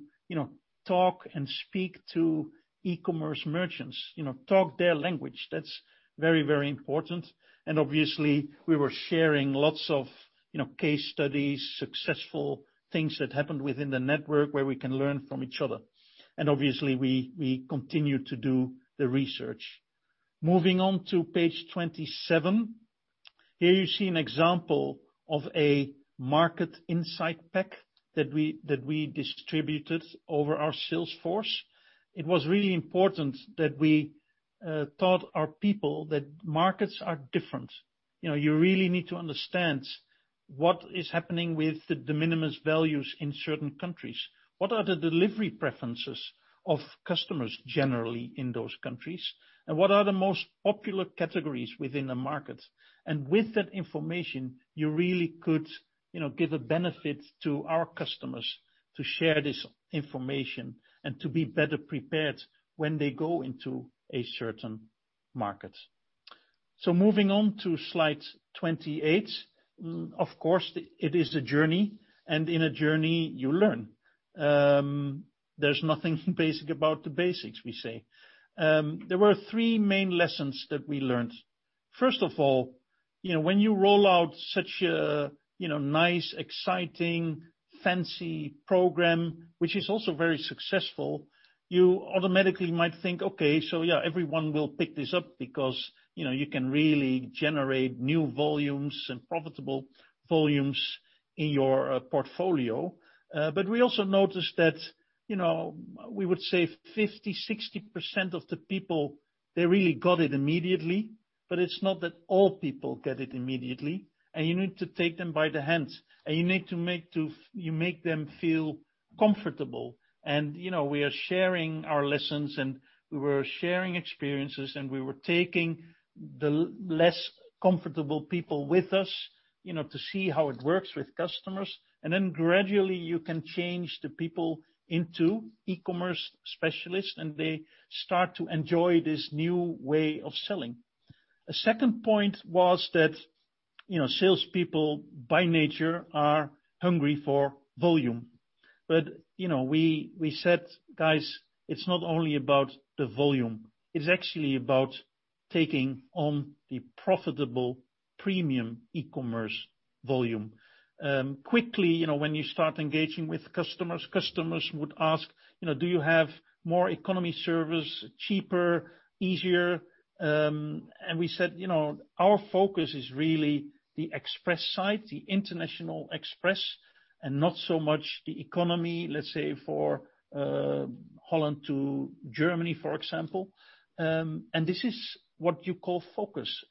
talk and speak to e-commerce merchants, talk their language. That's very, very important. Obviously, we were sharing lots of case studies, successful things that happened within the network where we can learn from each other. Obviously, we continue to do the research. Moving on to page 27. Here you see an example of a market insight pack that we distributed over our sales force. It was really important that we taught our people that markets are different. You really need to understand what is happening with the de minimis values in certain countries. What are the delivery preferences of customers generally in those countries? What are the most popular categories within a market? With that information, you really could give a benefit to our customers to share this information and to be better prepared when they go into a certain market. Moving on to slide 28. Of course, it is a journey, and in a journey you learn. There's nothing basic about the basics, we say. There were three main lessons that we learned. First of all, when you roll out such a nice, exciting, fancy program, which is also very successful, you automatically might think, okay, so yeah, everyone will pick this up because you can really generate new volumes and profitable volumes in your portfolio. We also noticed that, we would say 50%, 60% of the people, they really got it immediately. It's not that all people get it immediately. You need to take them by the hand, and you make them feel comfortable. We are sharing our lessons, and we were sharing experiences, and we were taking the less comfortable people with us, to see how it works with customers. Gradually you can change the people into e-commerce specialists, and they start to enjoy this new way of selling. A second point was that salespeople by nature are hungry for volume. We said, "Guys, it's not only about the volume. It's actually about taking on the profitable premium e-commerce volume." Quickly, when you start engaging with customers would ask, "Do you have more economy service, cheaper, easier?" We said, "Our focus is really the express side, the international express, and not so much the economy, let's say for Holland to Germany, for example." This is what you call focus.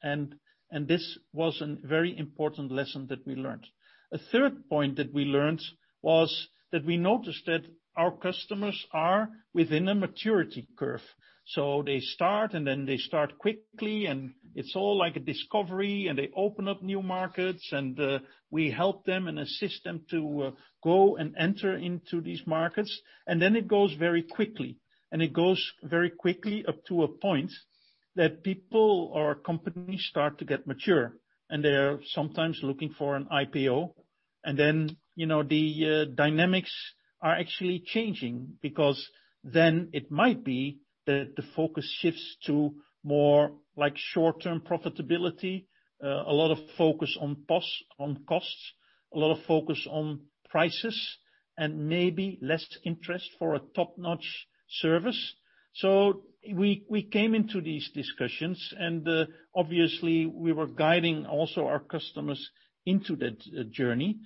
This was an very important lesson that we learned. A third point that we learned was that we noticed that our customers are within a maturity curve. They start, and then they start quickly, and it's all like a discovery, and they open up new markets, and we help them and assist them to go and enter into these markets. It goes very quickly. It goes very quickly up to a point that people or companies start to get mature. They're sometimes looking for an IPO. The dynamics are actually changing because then it might be that the focus shifts to more short-term profitability, a lot of focus on costs, a lot of focus on prices, and maybe less interest for a top-notch service. We came into these discussions, obviously we were guiding also our customers into that journey,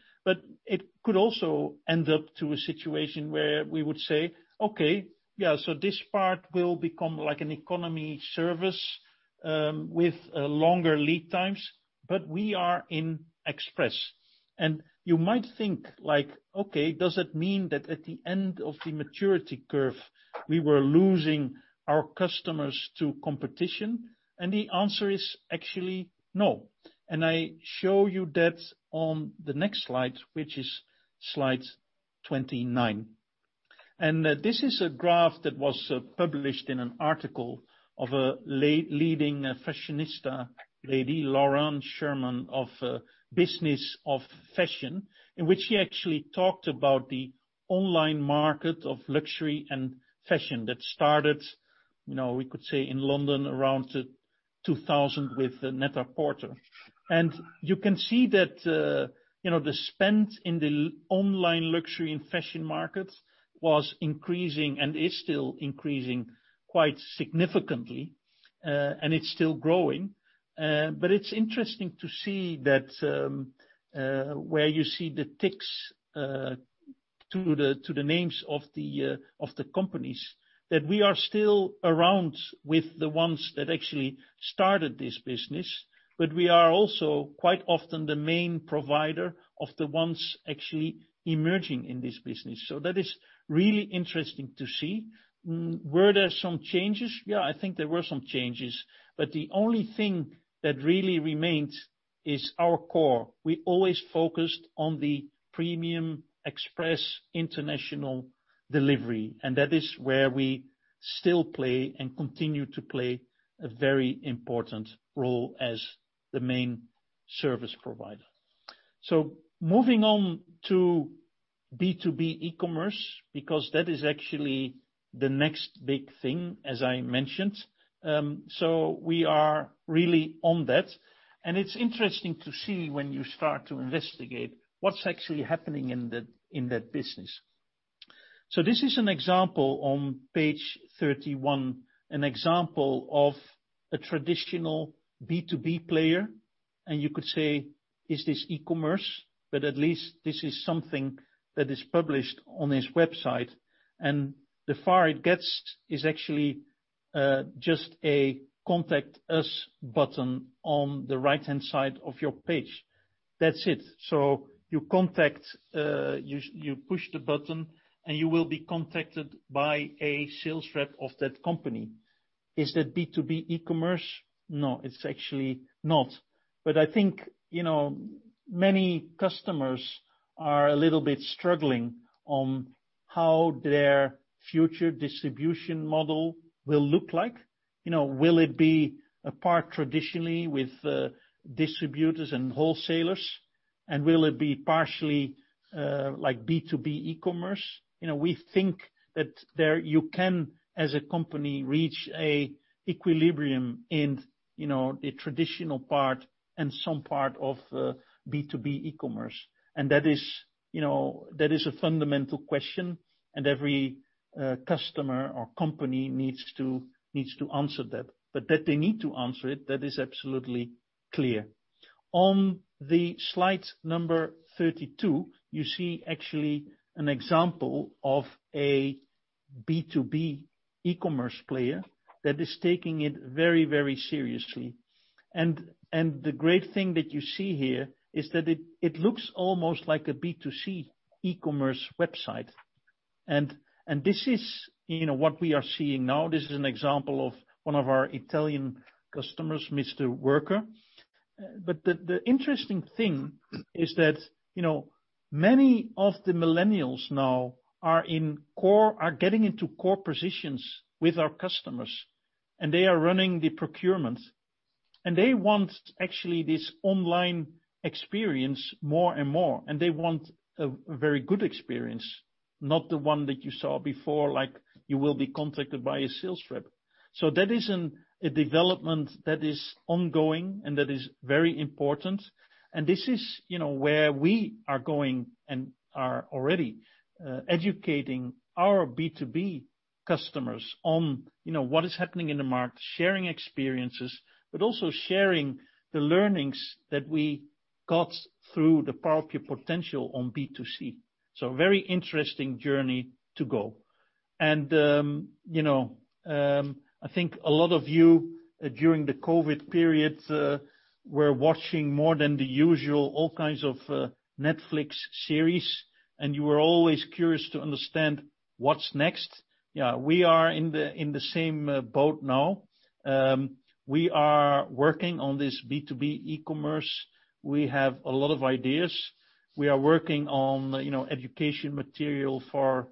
it could also end up to a situation where we would say, "Okay. Yeah, so this part will become like an economy service with longer lead times, but we are in Express." You might think, "Okay, does that mean that at the end of the maturity curve, we were losing our customers to competition?" The answer is actually no. I show you that on the next slide, which is slide 29. This is a graph that was published in an article of a leading fashionista lady, Lauren Sherman of The Business of Fashion, in which she actually talked about the online market of luxury and fashion that started, we could say in London around 2000 with Net-a-Porter. You can see that the spend in the online luxury and fashion market was increasing, and is still increasing quite significantly. It's still growing. It's interesting to see that where you see the ticks to the names of the companies, that we are still around with the ones that actually started this business, but we are also quite often the main provider of the ones actually emerging in this business. That is really interesting to see. Were there some changes? Yeah, I think there were some changes, but the only thing that really remained is our core. We always focused on the premium express international delivery, and that is where we still play and continue to play a very important role as the main service provider. Moving on to B2B e-commerce, because that is actually the next big thing, as I mentioned. We are really on that, and it's interesting to see when you start to investigate what's actually happening in that business. This is an example on page 31, an example of a traditional B2B player, and you could say, "Is this e-commerce?" At least this is something that is published on this website, and the far it gets is actually just a Contact Us button on the right-hand side of your page. That's it. You push the button, and you will be contacted by a sales rep of that company. Is that B2B e-commerce? No, it's actually not. I think many customers are a little bit struggling on how their future distribution model will look like. Will it be a part traditionally with distributors and wholesalers, and will it be partially B2B e-commerce? We think that there you can, as a company, reach an equilibrium in a traditional part and some part of B2B e-commerce. That is a fundamental question, and every customer or company needs to answer that. That they need to answer it, that is absolutely clear. On the slide number 32, you see actually an example of a B2B e-commerce player that is taking it very seriously. The great thing that you see here is that it looks almost like a B2C e-commerce website. This is what we are seeing now. This is an example of one of our Italian customers, Mister Worker. The interesting thing is that many of the millennials now are getting into core positions with our customers, and they are running the procurement. They want, actually, this online experience more and more, and they want a very good experience, not the one that you saw before, like you will be contacted by a sales rep. That is a development that is ongoing, and that is very important. This is where we are going and are already educating our B2B customers on what is happening in the market, sharing experiences, but also sharing the learnings that we got through the Power Up Your Potential on B2C. Very interesting journey to go. I think a lot of you, during the COVID period, were watching more than the usual all kinds of Netflix series, and you were always curious to understand what's next. Yeah, we are in the same boat now. We are working on this B2B e-commerce. We have a lot of ideas. We are working on education material for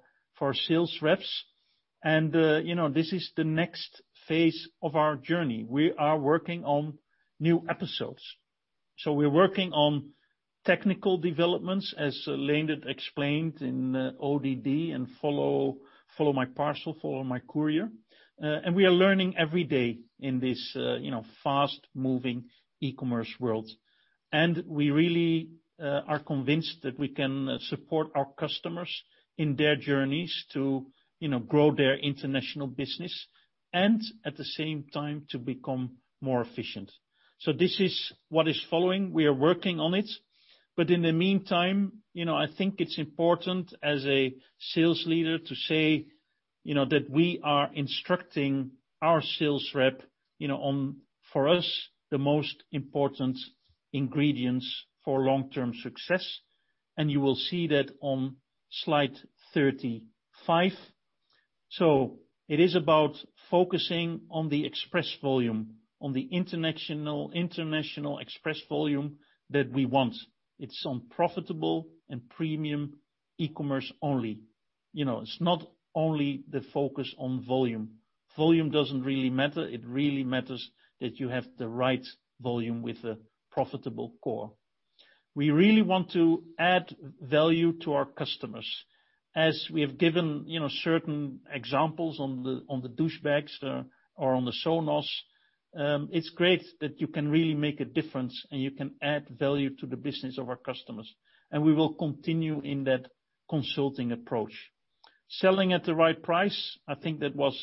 sales reps. This is the next phase of our journey. We are working on new episodes. We're working on technical developments, as Leendert explained, in ODD and Follow My Parcel, Follow My Courier. We are learning every day in this fast-moving e-commerce world. We really are convinced that we can support our customers in their journeys to grow their international business and at the same time to become more efficient. This is what is following. We are working on it. In the meantime, I think it's important as a sales leader to say that we are instructing our sales rep on, for us, the most important ingredients for long-term success, and you will see that on slide 35. It is about focusing on the express volume, on the international express volume that we want. It's on profitable and premium e-commerce only. It's not only the focus on volume. Volume doesn't really matter. It really matters that you have the right volume with a profitable core. We really want to add value to our customers. As we have given certain examples on the Douchebags or on the Sonos, it's great that you can really make a difference and you can add value to the business of our customers. We will continue in that consulting approach. Selling at the right price, I think that was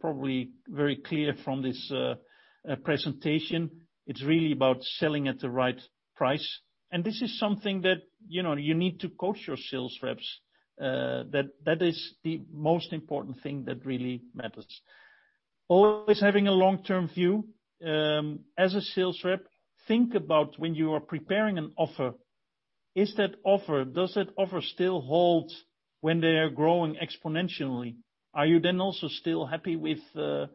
probably very clear from this presentation. It's really about selling at the right price. This is something that you need to coach your sales reps, that that is the most important thing that really matters. Always having a long-term view. As a sales rep, think about when you are preparing an offer, does that offer still hold when they are growing exponentially? Are you then also still happy with the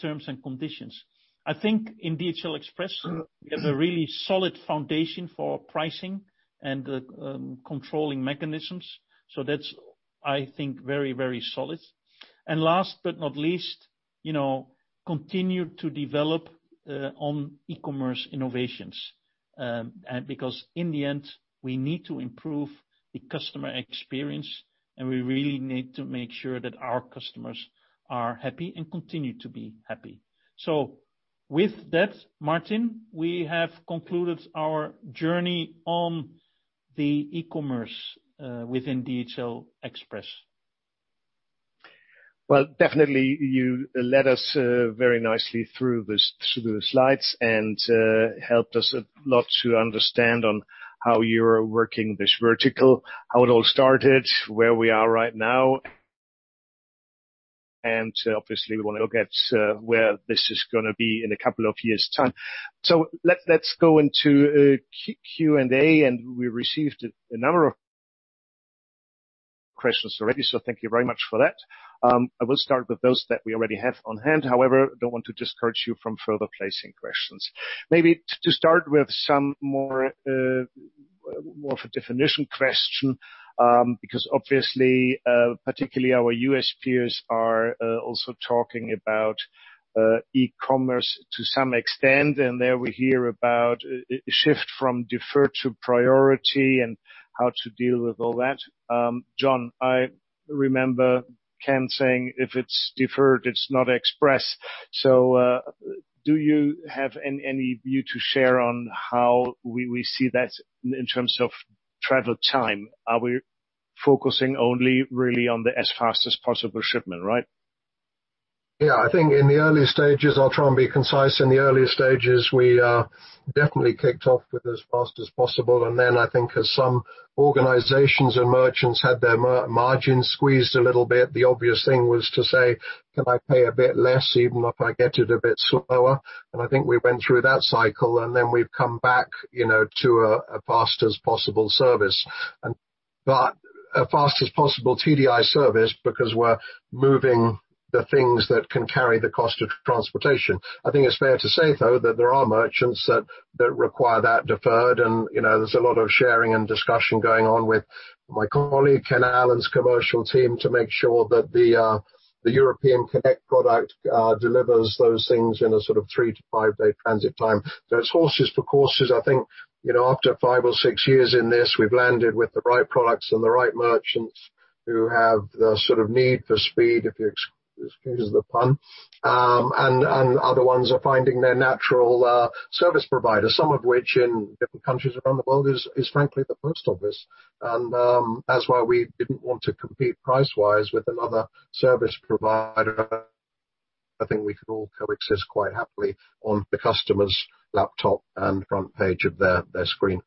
terms and conditions? I think in DHL Express, we have a really solid foundation for pricing and the controlling mechanisms. That's, I think, very solid. Last but not least, continue to develop on e-commerce innovations. In the end, we need to improve the customer experience, and we really need to make sure that our customers are happy and continue to be happy. With that, Martin, we have concluded our journey on the e-commerce within DHL Express. Well, definitely, you led us very nicely through the slides and helped us a lot to understand on how you are working this vertical, how it all started, where we are right now. Obviously, we want to look at where this is going to be in a couple of years' time. Let's go into Q&A. We received a number of questions already, so thank you very much for that. I will start with those that we already have on hand. However, I don't want to discourage you from further placing questions. Maybe to start with some more of a definition question, because obviously, particularly our U.S. peers are also talking about e-commerce to some extent, and there we hear about a shift from deferred to priority and how to deal with all that. John, I remember Ken saying, "If it's deferred, it's not express." Do you have any view to share on how we see that in terms of travel time? Are we focusing only really on the as fast as possible shipment, right? Yeah, I think in the early stages, I'll try and be concise. In the early stages, we definitely kicked off with as fast as possible, and then I think as some organizations and merchants had their margins squeezed a little bit, the obvious thing was to say, "Can I pay a bit less even if I get it a bit slower?" I think we went through that cycle and then we've come back to a fast as possible service. A fast as possible TDI service because we're moving the things that can carry the cost of transportation. I think it's fair to say, though, that there are merchants that require that deferred, and there's a lot of sharing and discussion going on with my colleague, Ken Allen's commercial team, to make sure that the EuroConnect product delivers those things in a sort of three to five-day transit time. It's horses for courses. I think after five or six years in this, we've landed with the right products and the right merchants who have the sort of need for speed, if you excuse the pun. Other ones are finding their natural service provider, some of which in different countries around the world is frankly the post office. That's why we didn't want to compete price-wise with another service provider. I think we could all coexist quite happily on the customer's laptop and front page of their screen.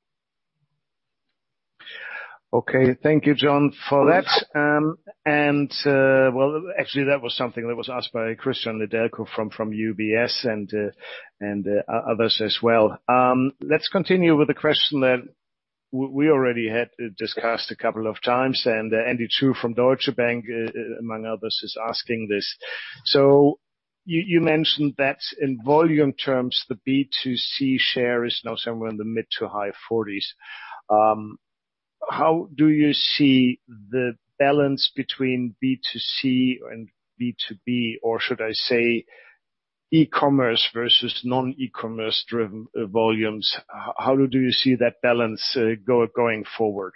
Okay. Thank you, John, for that. Well, actually, that was something that was asked by Cristian Nedelcu from UBS and others as well. Let's continue with a question that we already had discussed a couple of times. Andy Chu from Deutsche Bank, among others, is asking this. You mentioned that in volume terms, the B2C share is now somewhere in the mid to high 40s. How do you see the balance between B2C and B2B, or should I say e-commerce versus non-e-commerce driven volumes? How do you see that balance going forward?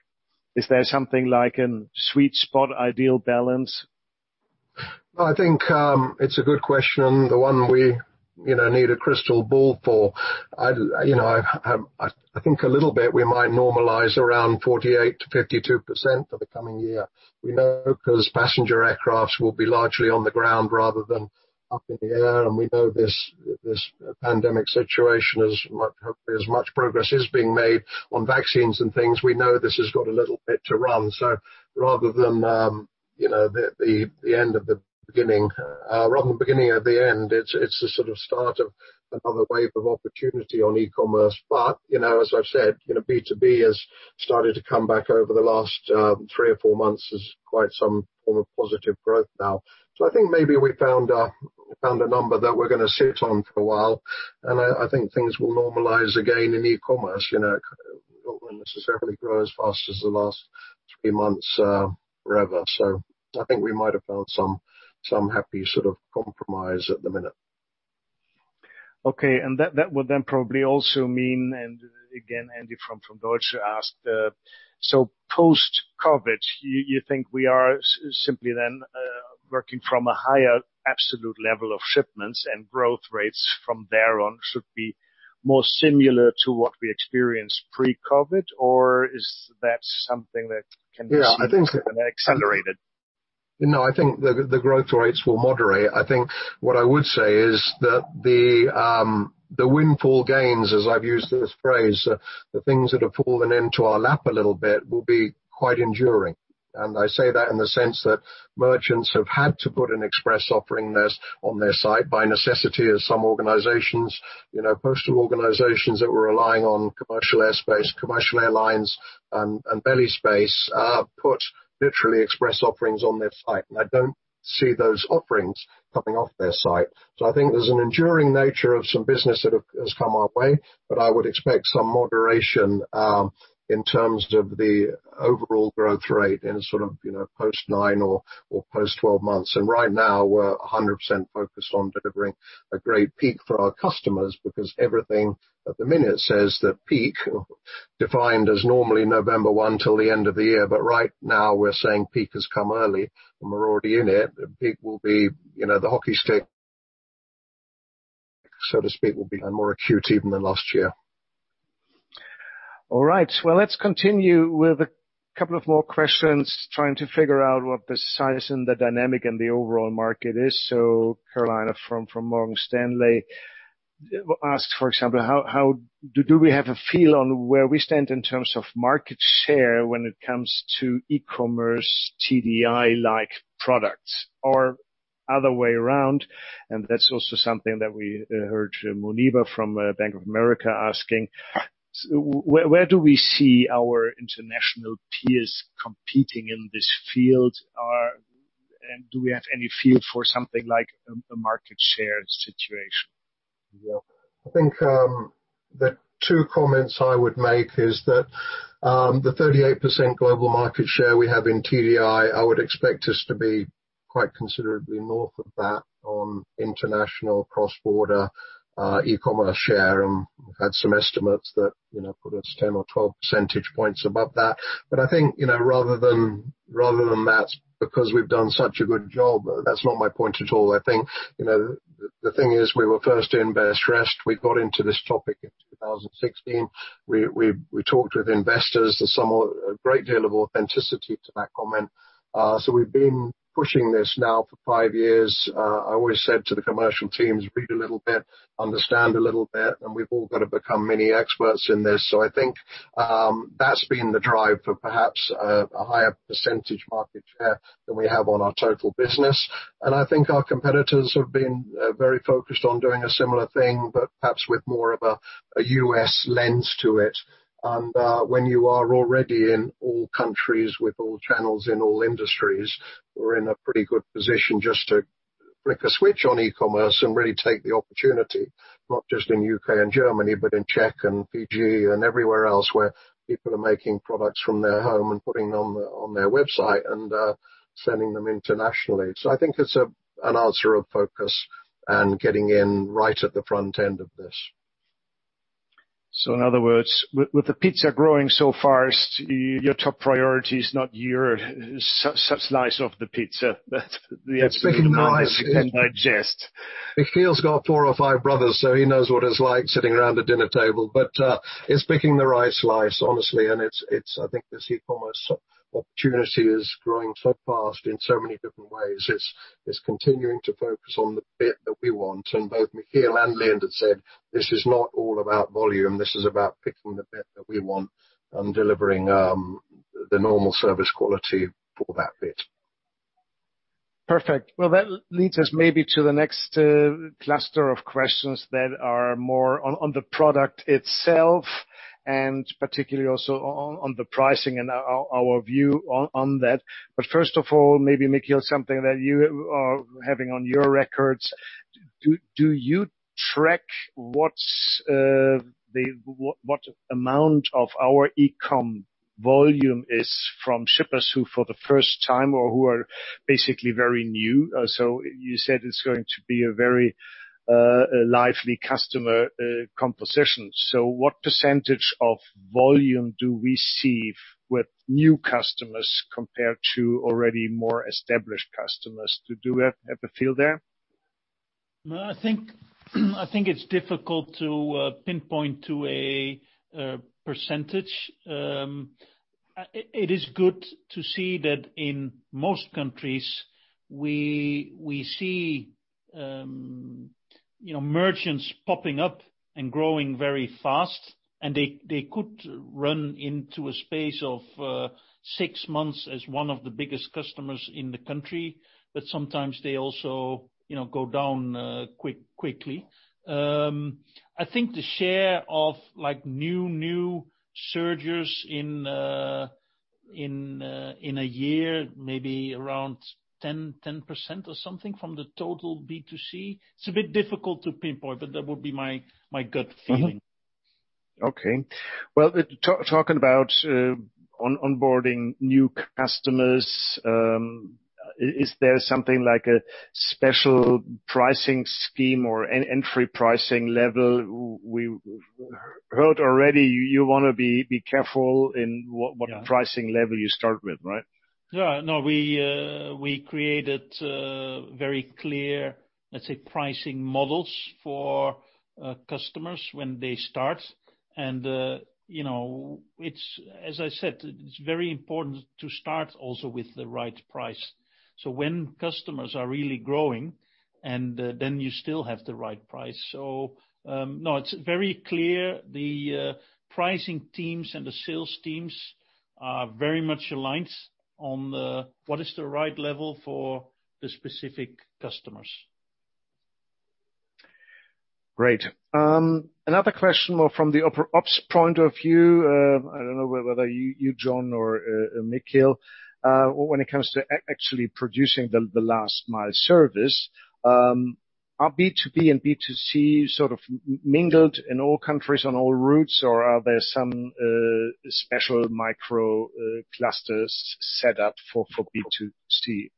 Is there something like a sweet spot ideal balance? I think it's a good question. The one we need a crystal ball for. I think a little bit we might normalize around 48%-52% for the coming year. We know because passenger aircraft will be largely on the ground rather than up in the air, and we know this pandemic situation as much progress is being made on vaccines and things. We know this has got a little bit to run. Rather than the beginning of the end, it's the sort of start of another wave of opportunity on e-commerce. As I've said, B2B has started to come back over the last three or four months as quite some form of positive growth now. I think maybe we found a number that we're going to sit on for a while, and I think things will normalize again in e-commerce. It won't necessarily grow as fast as the last three months forever. I think we might have found some happy sort of compromise at the minute. Okay. That would then probably also mean, and again, Andy from Deutsche asked, so post-COVID, you think we are simply then working from a higher absolute level of shipments and growth rates from there on should be more similar to what we experienced pre-COVID, or is that something that can proceed at an accelerated? No, I think the growth rates will moderate. I think what I would say is that the windfall gains, as I've used this phrase, the things that have fallen into our lap a little bit will be quite enduring. I say that in the sense that merchants have had to put an express offering on their site by necessity as some organizations, postal organizations that were relying on commercial airspace, commercial airlines and belly space, put literally express offerings on their site. I don't see those offerings coming off their site. I think there's an enduring nature of some business that has come our way, but I would expect some moderation in terms of the overall growth rate in sort of post nine or post 12 months. Right now, we're 100% focused on delivering a great peak for our customers because everything at the minute says that peak defined as normally November 1 till the end of the year. Right now, we're saying peak has come early and we're already in it, and peak will be the hockey stick, so to speak, will be more acute even than last year. All right. Well, let's continue with a couple of more questions, trying to figure out what the size and the dynamic in the overall market is. Carolina from Morgan Stanley asked, for example, do we have a feel on where we stand in terms of market share when it comes to e-commerce TDI-like products? Other way around, and that's also something that we heard Muneeba from Bank of America asking. Where do we see our international peers competing in this field, and do we have any feel for something like a market share situation? Yeah. I think the two comments I would make is that the 38% global market share we have in TDI, I would expect us to be quite considerably north of that on international cross-border e-commerce share, and we've had some estimates that put us 10 or 12 percentage points above that. I think rather than that's because we've done such a good job, that's not my point at all. I think the thing is we were first in, best dressed. We got into this topic in 2016. We talked with investors. There's a great deal of authenticity to that comment. We've been pushing this now for five years. I always said to the commercial teams, "Read a little bit, understand a little bit," and we've all got to become mini experts in this. I think that's been the drive for perhaps a higher percentage market share than we have on our total business. I think our competitors have been very focused on doing a similar thing, but perhaps with more of a U.S. lens to it. When you are already in all countries with all channels in all industries, we're in a pretty good position just to flick a switch on e-commerce and really take the opportunity, not just in U.K. and Germany, but in Czech and [PG and everywhere else where people are making products from their home and putting them on their website and sending them internationally. I think it's an answer of focus and getting in right at the front end of this. In other words, with the pizza growing so fast, your top priority is not your slice of the pizza. The slice you can digest. Michiel's got four or five brothers, so he knows what it's like sitting around a dinner table. It's picking the right slice, honestly. I think this e-commerce opportunity is growing so fast in so many different ways. It's continuing to focus on the bit that we want. Both Michiel and Leendert had said, "This is not all about volume. This is about picking the bit that we want and delivering the normal service quality for that bit. Perfect. That leads us maybe to the next cluster of questions that are more on the product itself, and particularly also on the pricing and our view on that. First of all, maybe Michiel, something that you are having on your records. Do you track what amount of our e-com volume is from shippers who, for the first time, or who are basically very new. You said it's going to be a very lively customer composition. What percentage of volume do we see with new customers compared to already more established customers? Do you have a feel there? No, I think it's difficult to pinpoint to a percentage. It is good to see that in most countries we see merchants popping up and growing very fast, and they could run into a space of six months as one of the biggest customers in the country, but sometimes they also go down quickly. I think the share of new surges in a year, maybe around 10% or something from the total B2C. It's a bit difficult to pinpoint, but that would be my gut feeling. Well, talking about onboarding new customers, is there something like a special pricing scheme or an entry pricing level? We heard already you want to be careful in what- Yeah pricing level you start with, right? We created very clear, let's say, pricing models for customers when they start. As I said, it's very important to start also with the right price. When customers are really growing and then you still have the right price. It's very clear the pricing teams and the sales teams are very much aligned on what is the right level for the specific customers. Great. Another question more from the ops point of view, I don't know whether you, John or Michiel, when it comes to actually producing the last mile service, are B2B and B2C sort of mingled in all countries on all routes or are there some special microclusters set up for B2C?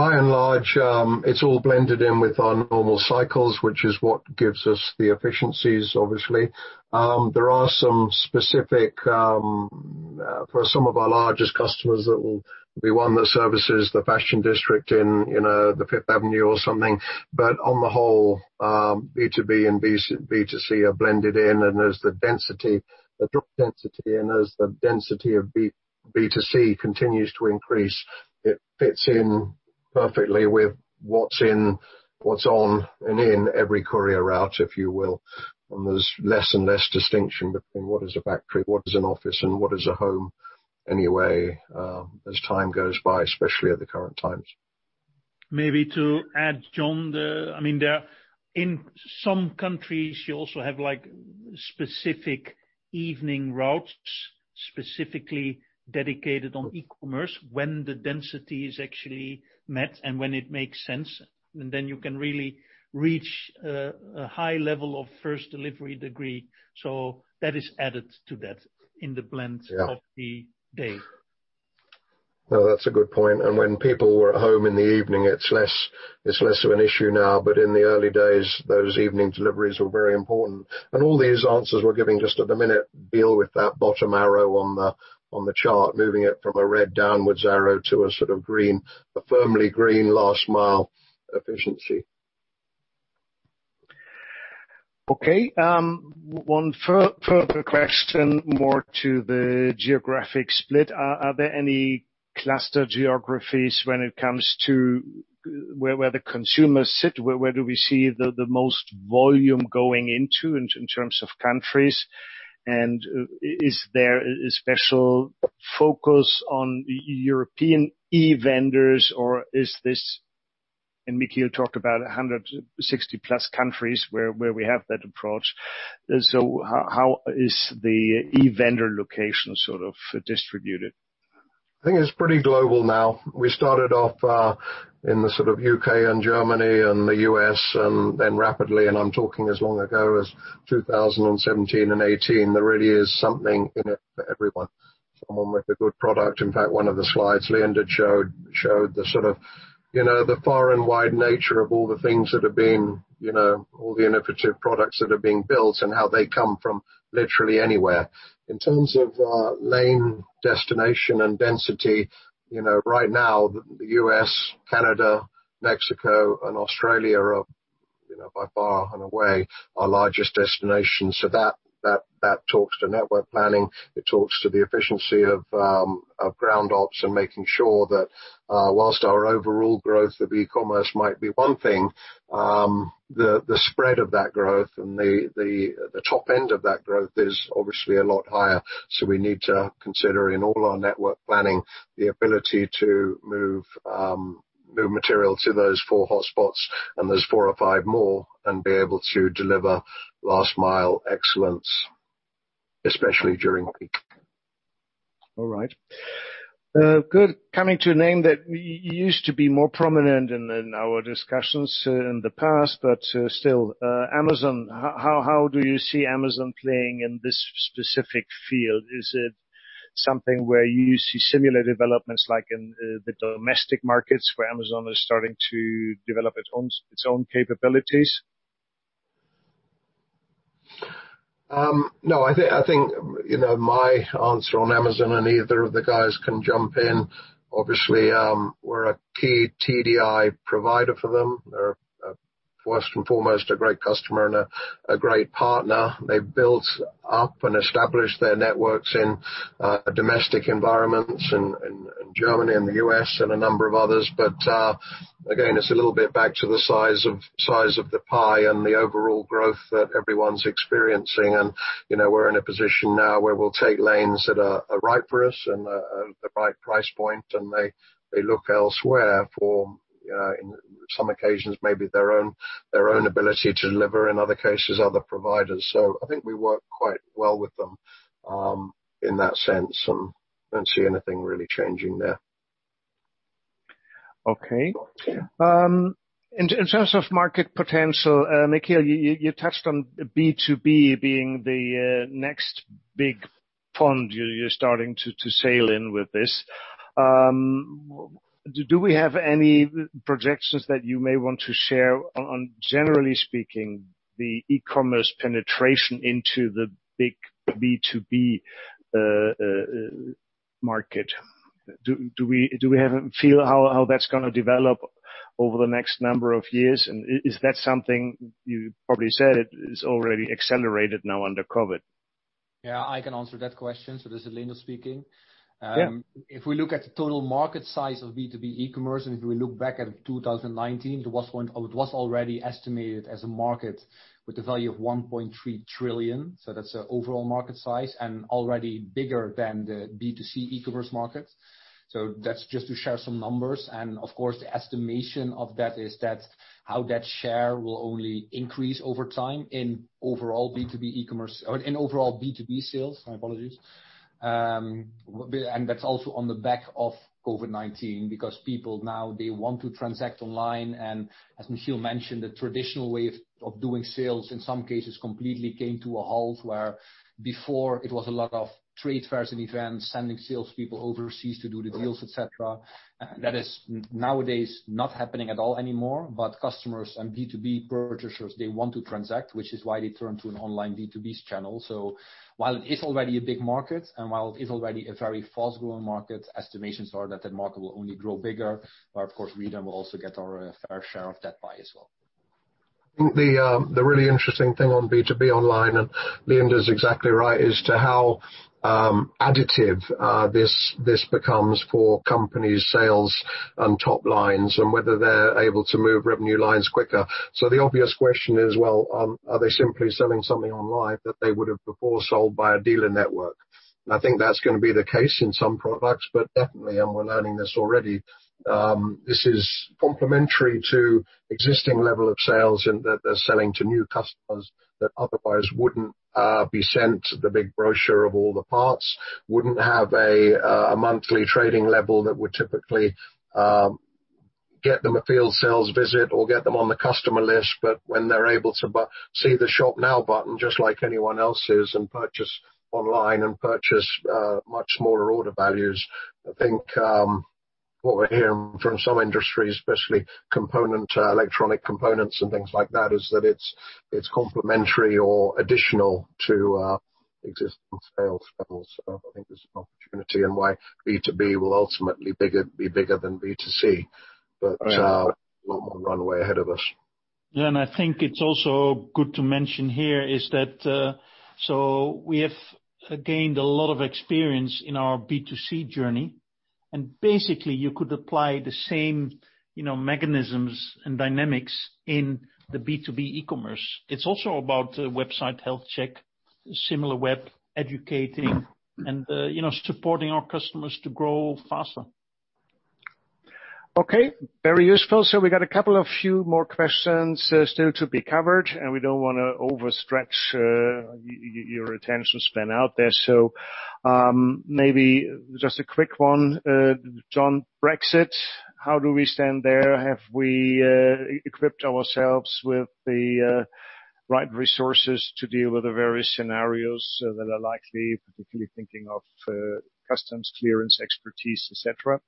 It's all blended in with our normal cycles, which is what gives us the efficiencies, obviously. There are some specific for some of our largest customers that will be one that services the fashion district in the Fifth Avenue or something. B2B and B2C are blended in, and as the drop density and as the density of B2C continues to increase, it fits in perfectly with what's on and in every courier route, if you will. There's less and less distinction between what is a factory, what is an office, and what is a home anyway as time goes by, especially at the current times. Maybe to add, John, in some countries you also have specific evening routes specifically dedicated on e-commerce when the density is actually met and when it makes sense. Then you can really reach a high level of first delivery degree. That is added to that in the blend. Yeah of the day. No, that's a good point. When people were at home in the evening, it's less of an issue now. In the early days, those evening deliveries were very important. All these answers we're giving just at the minute deal with that bottom arrow on the chart, moving it from a red downwards arrow to a sort of green, a firmly green last mile efficiency. Okay. One further question more to the geographic split. Are there any cluster geographies when it comes to where the consumers sit? Where do we see the most volume going into in terms of countries? Is there a special focus on European e-vendors or is this, and Michiel talked about 160+ countries where we have that approach. How is the e-vendor location sort of distributed? I think it's pretty global now. We started off in the sort of U.K. and Germany and the U.S. rapidly, and I'm talking as long ago as 2017 and 2018. There really is something in it for everyone. Someone with a good product. In fact, one of the slides Leendert showed the sort of the far and wide nature of all the things that have been, all the innovative products that are being built and how they come from literally anywhere. In terms of lane destination and density, right now the U.S., Canada, Mexico, and Australia are by far and away our largest destinations. That talks to network planning. It talks to the efficiency of ground ops and making sure that whilst our overall growth of e-commerce might be one thing, the spread of that growth and the top end of that growth is obviously a lot higher. We need to consider in all our network planning the ability to move material to those four hotspots, and there's four or five more and be able to deliver last mile excellence, especially during peak. All right. Good. Coming to a name that used to be more prominent in our discussions in the past, but still, Amazon. How do you see Amazon playing in this specific field? Is it something where you see similar developments like in the domestic markets where Amazon is starting to develop its own capabilities? I think my answer on Amazon, and either of the guys can jump in, obviously, we're a key TDI provider for them. They're first and foremost a great customer and a great partner. They've built up and established their networks in domestic environments and in Germany and the U.S. and a number of others. Again, it's a little bit back to the size of the pie and the overall growth that everyone's experiencing. We're in a position now where we'll take lanes that are ripe for us and are at the right price point, and they look elsewhere for, in some occasions, maybe their own ability to deliver, in other cases, other providers. I think we work quite well with them in that sense, and don't see anything really changing there. Okay. In terms of market potential, Michiel, you touched on B2B being the next big pond you're starting to sail in with this. Do we have any projections that you may want to share on, generally speaking, the e-commerce penetration into the big B2B market? Do we feel how that's gonna develop over the next number of years? Is that something, you probably said, it is already accelerated now under COVID? Yeah, I can answer that question. This is Leendert speaking. Yeah. If we look at the total market size of B2B e-commerce, and if we look back at 2019, it was already estimated as a market with a value of $1.3 trillion. That's the overall market size, and already bigger than the B2C e-commerce market. That's just to share some numbers. Of course, the estimation of that is that how that share will only increase over time in overall B2B sales. My apologies. That's also on the back of COVID-19 because people now, they want to transact online. As Michiel mentioned, the traditional way of doing sales in some cases completely came to a halt where before it was a lot of trade fairs and events, sending salespeople overseas to do the deals, et cetera. That is nowadays not happening at all anymore. Customers and B2B purchasers, they want to transact, which is why they turn to an online B2B channel. While it is already a big market, and while it is already a very fast-growing market, estimations are that that market will only grow bigger. Of course, we then will also get our fair share of that pie as well. The really interesting thing on B2B online, and Leendert is exactly right, is to how additive this becomes for companies' sales and top lines, and whether they're able to move revenue lines quicker. The obvious question is, well, are they simply selling something online that they would have before sold by a dealer network? I think that's going to be the case in some products, but definitely, and we're learning this already, this is complementary to existing level of sales in that they're selling to new customers that otherwise wouldn't be sent the big brochure of all the parts, wouldn't have a monthly trading level that would typically get them a field sales visit or get them on the customer list. When they're able to see the Shop Now button just like anyone else is, and purchase online and purchase much smaller order values, I think what we're hearing from some industries, especially electronic components and things like that, is that it's complementary or additional to existing sales levels. I think there's an opportunity in why B2B will ultimately be bigger than B2C. Right. A lot more runway ahead of us. I think it's also good to mention here is that, we have gained a lot of experience in our B2C journey, and basically, you could apply the same mechanisms and dynamics in the B2B e-commerce. It's also about Website Health Check, Similarweb educating and supporting our customers to grow faster. Okay. Very useful. We got a couple of few more questions still to be covered, and we don't want to overstretch your attention span out there. Maybe just a quick one. John, Brexit, how do we stand there? Have we equipped ourselves with the right resources to deal with the various scenarios that are likely, particularly thinking of customs clearance expertise, et cetera?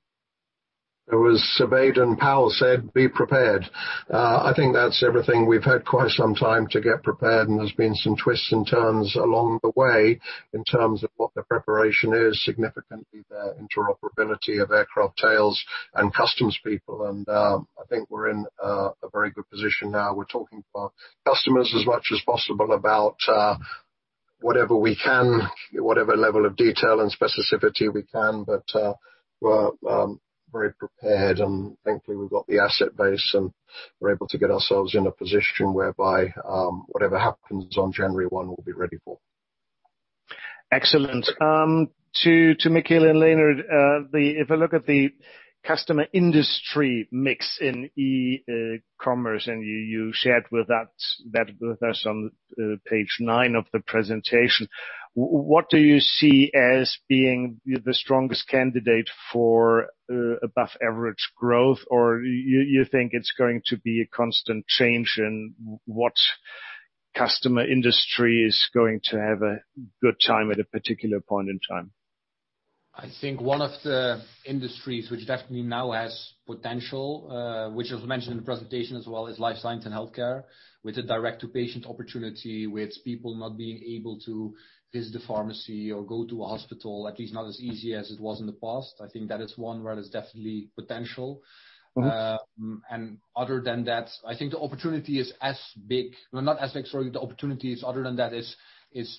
It was surveyed and Baden-Powell said, "Be prepared." I think that's everything. We've had quite some time to get prepared. There's been some twists and turns along the way in terms of what the preparation is, significantly the interoperability of aircraft tails and customs people. I think we're in a very good position now. We're talking to our customers as much as possible about whatever we can, whatever level of detail and specificity we can. We're very prepared, and thankfully, we've got the asset base, and we're able to get ourselves in a position whereby whatever happens on January 1, we'll be ready for. Excellent. To Michiel and Leendert, if I look at the customer industry mix in e-commerce, you shared that with us on page nine of the presentation. What do you see as being the strongest candidate for above average growth? Do you think it's going to be a constant change in what customer industry is going to have a good time at a particular point in time? I think one of the industries which definitely now has potential, which is mentioned in the presentation as well, is Life Sciences and Healthcare, with the direct-to-patient opportunity, with people not being able to visit the pharmacy or go to a hospital, at least not as easy as it was in the past. I think that is one where there's definitely potential. Other than that, I think the opportunity is not as big. Sorry. The opportunities other than that, it's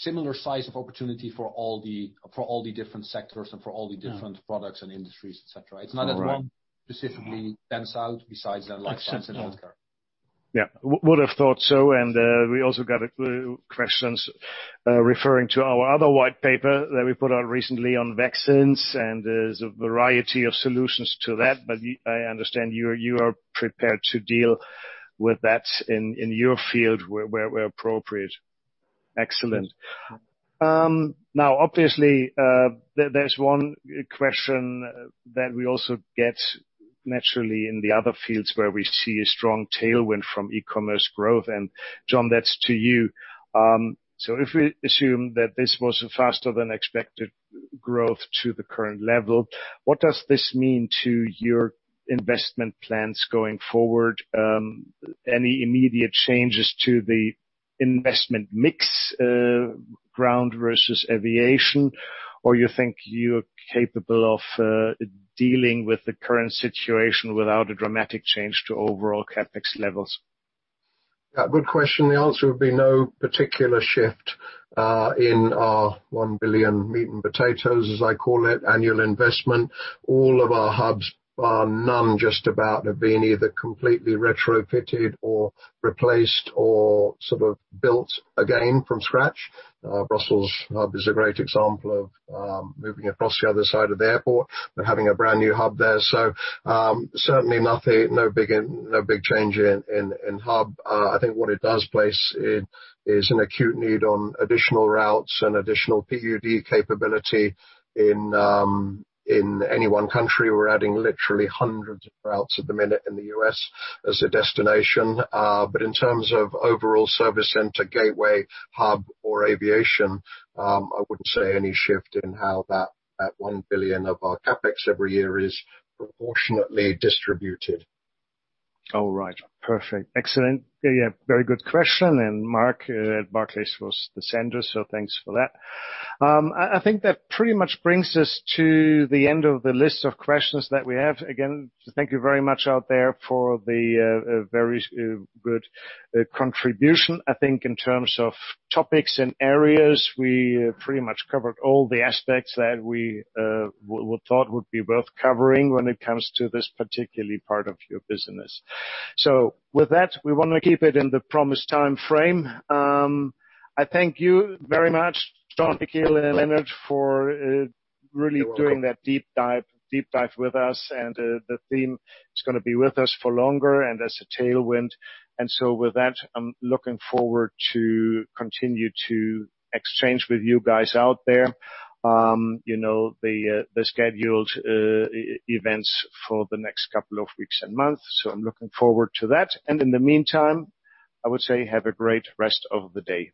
similar size of opportunity for all the different sectors and for all the different products and industries, et cetera. All right. It's not that one specifically stands out besides the Life Sciences and Healthcare. Yeah. We also got a few questions referring to our other white paper that we put out recently on vaccines, and there's a variety of solutions to that. I understand you are prepared to deal with that in your field where appropriate. Excellent. Now, obviously, there's one question that we also get naturally in the other fields where we see a strong tailwind from e-commerce growth. John, that's to you. If we assume that this was a faster than expected growth to the current level, what does this mean to your investment plans going forward? Any immediate changes to the investment mix, ground versus aviation, or you think you're capable of dealing with the current situation without a dramatic change to overall CapEx levels? Yeah. Good question. The answer would be no particular shift in our [1 billion] meat and potatoes, as I call it, annual investment. All of our hubs, bar none just about, have been either completely retrofitted or replaced or sort of built again from scratch. Brussels Hub is a great example of moving across the other side of the airport and having a brand-new hub there. Certainly nothing, no big change in hub. I think what it does place is an acute need on additional routes and additional PUD capability in any one country. We're adding literally hundreds of routes at the minute in the U.S. as a destination. In terms of overall service center, gateway hub or aviation, I wouldn't say any shift in how that [1 billion] of our CapEx every year is proportionately distributed. All right. Perfect. Excellent. Yeah. Very good question. Mark at Barclays was the sender, so thanks for that. I think that pretty much brings us to the end of the list of questions that we have. Again, thank you very much out there for the very good contribution. I think in terms of topics and areas, we pretty much covered all the aspects that we thought would be worth covering when it comes to this particular part of your business. With that, we want to keep it in the promised time frame. I thank you very much, John, Michiel, and Leendert for doing that deep dive with us and the theme is going to be with us for longer and as a tailwind. With that, I'm looking forward to continue to exchange with you guys out there. The scheduled events for the next couple of weeks and months. I'm looking forward to that. In the meantime, I would say have a great rest of the day.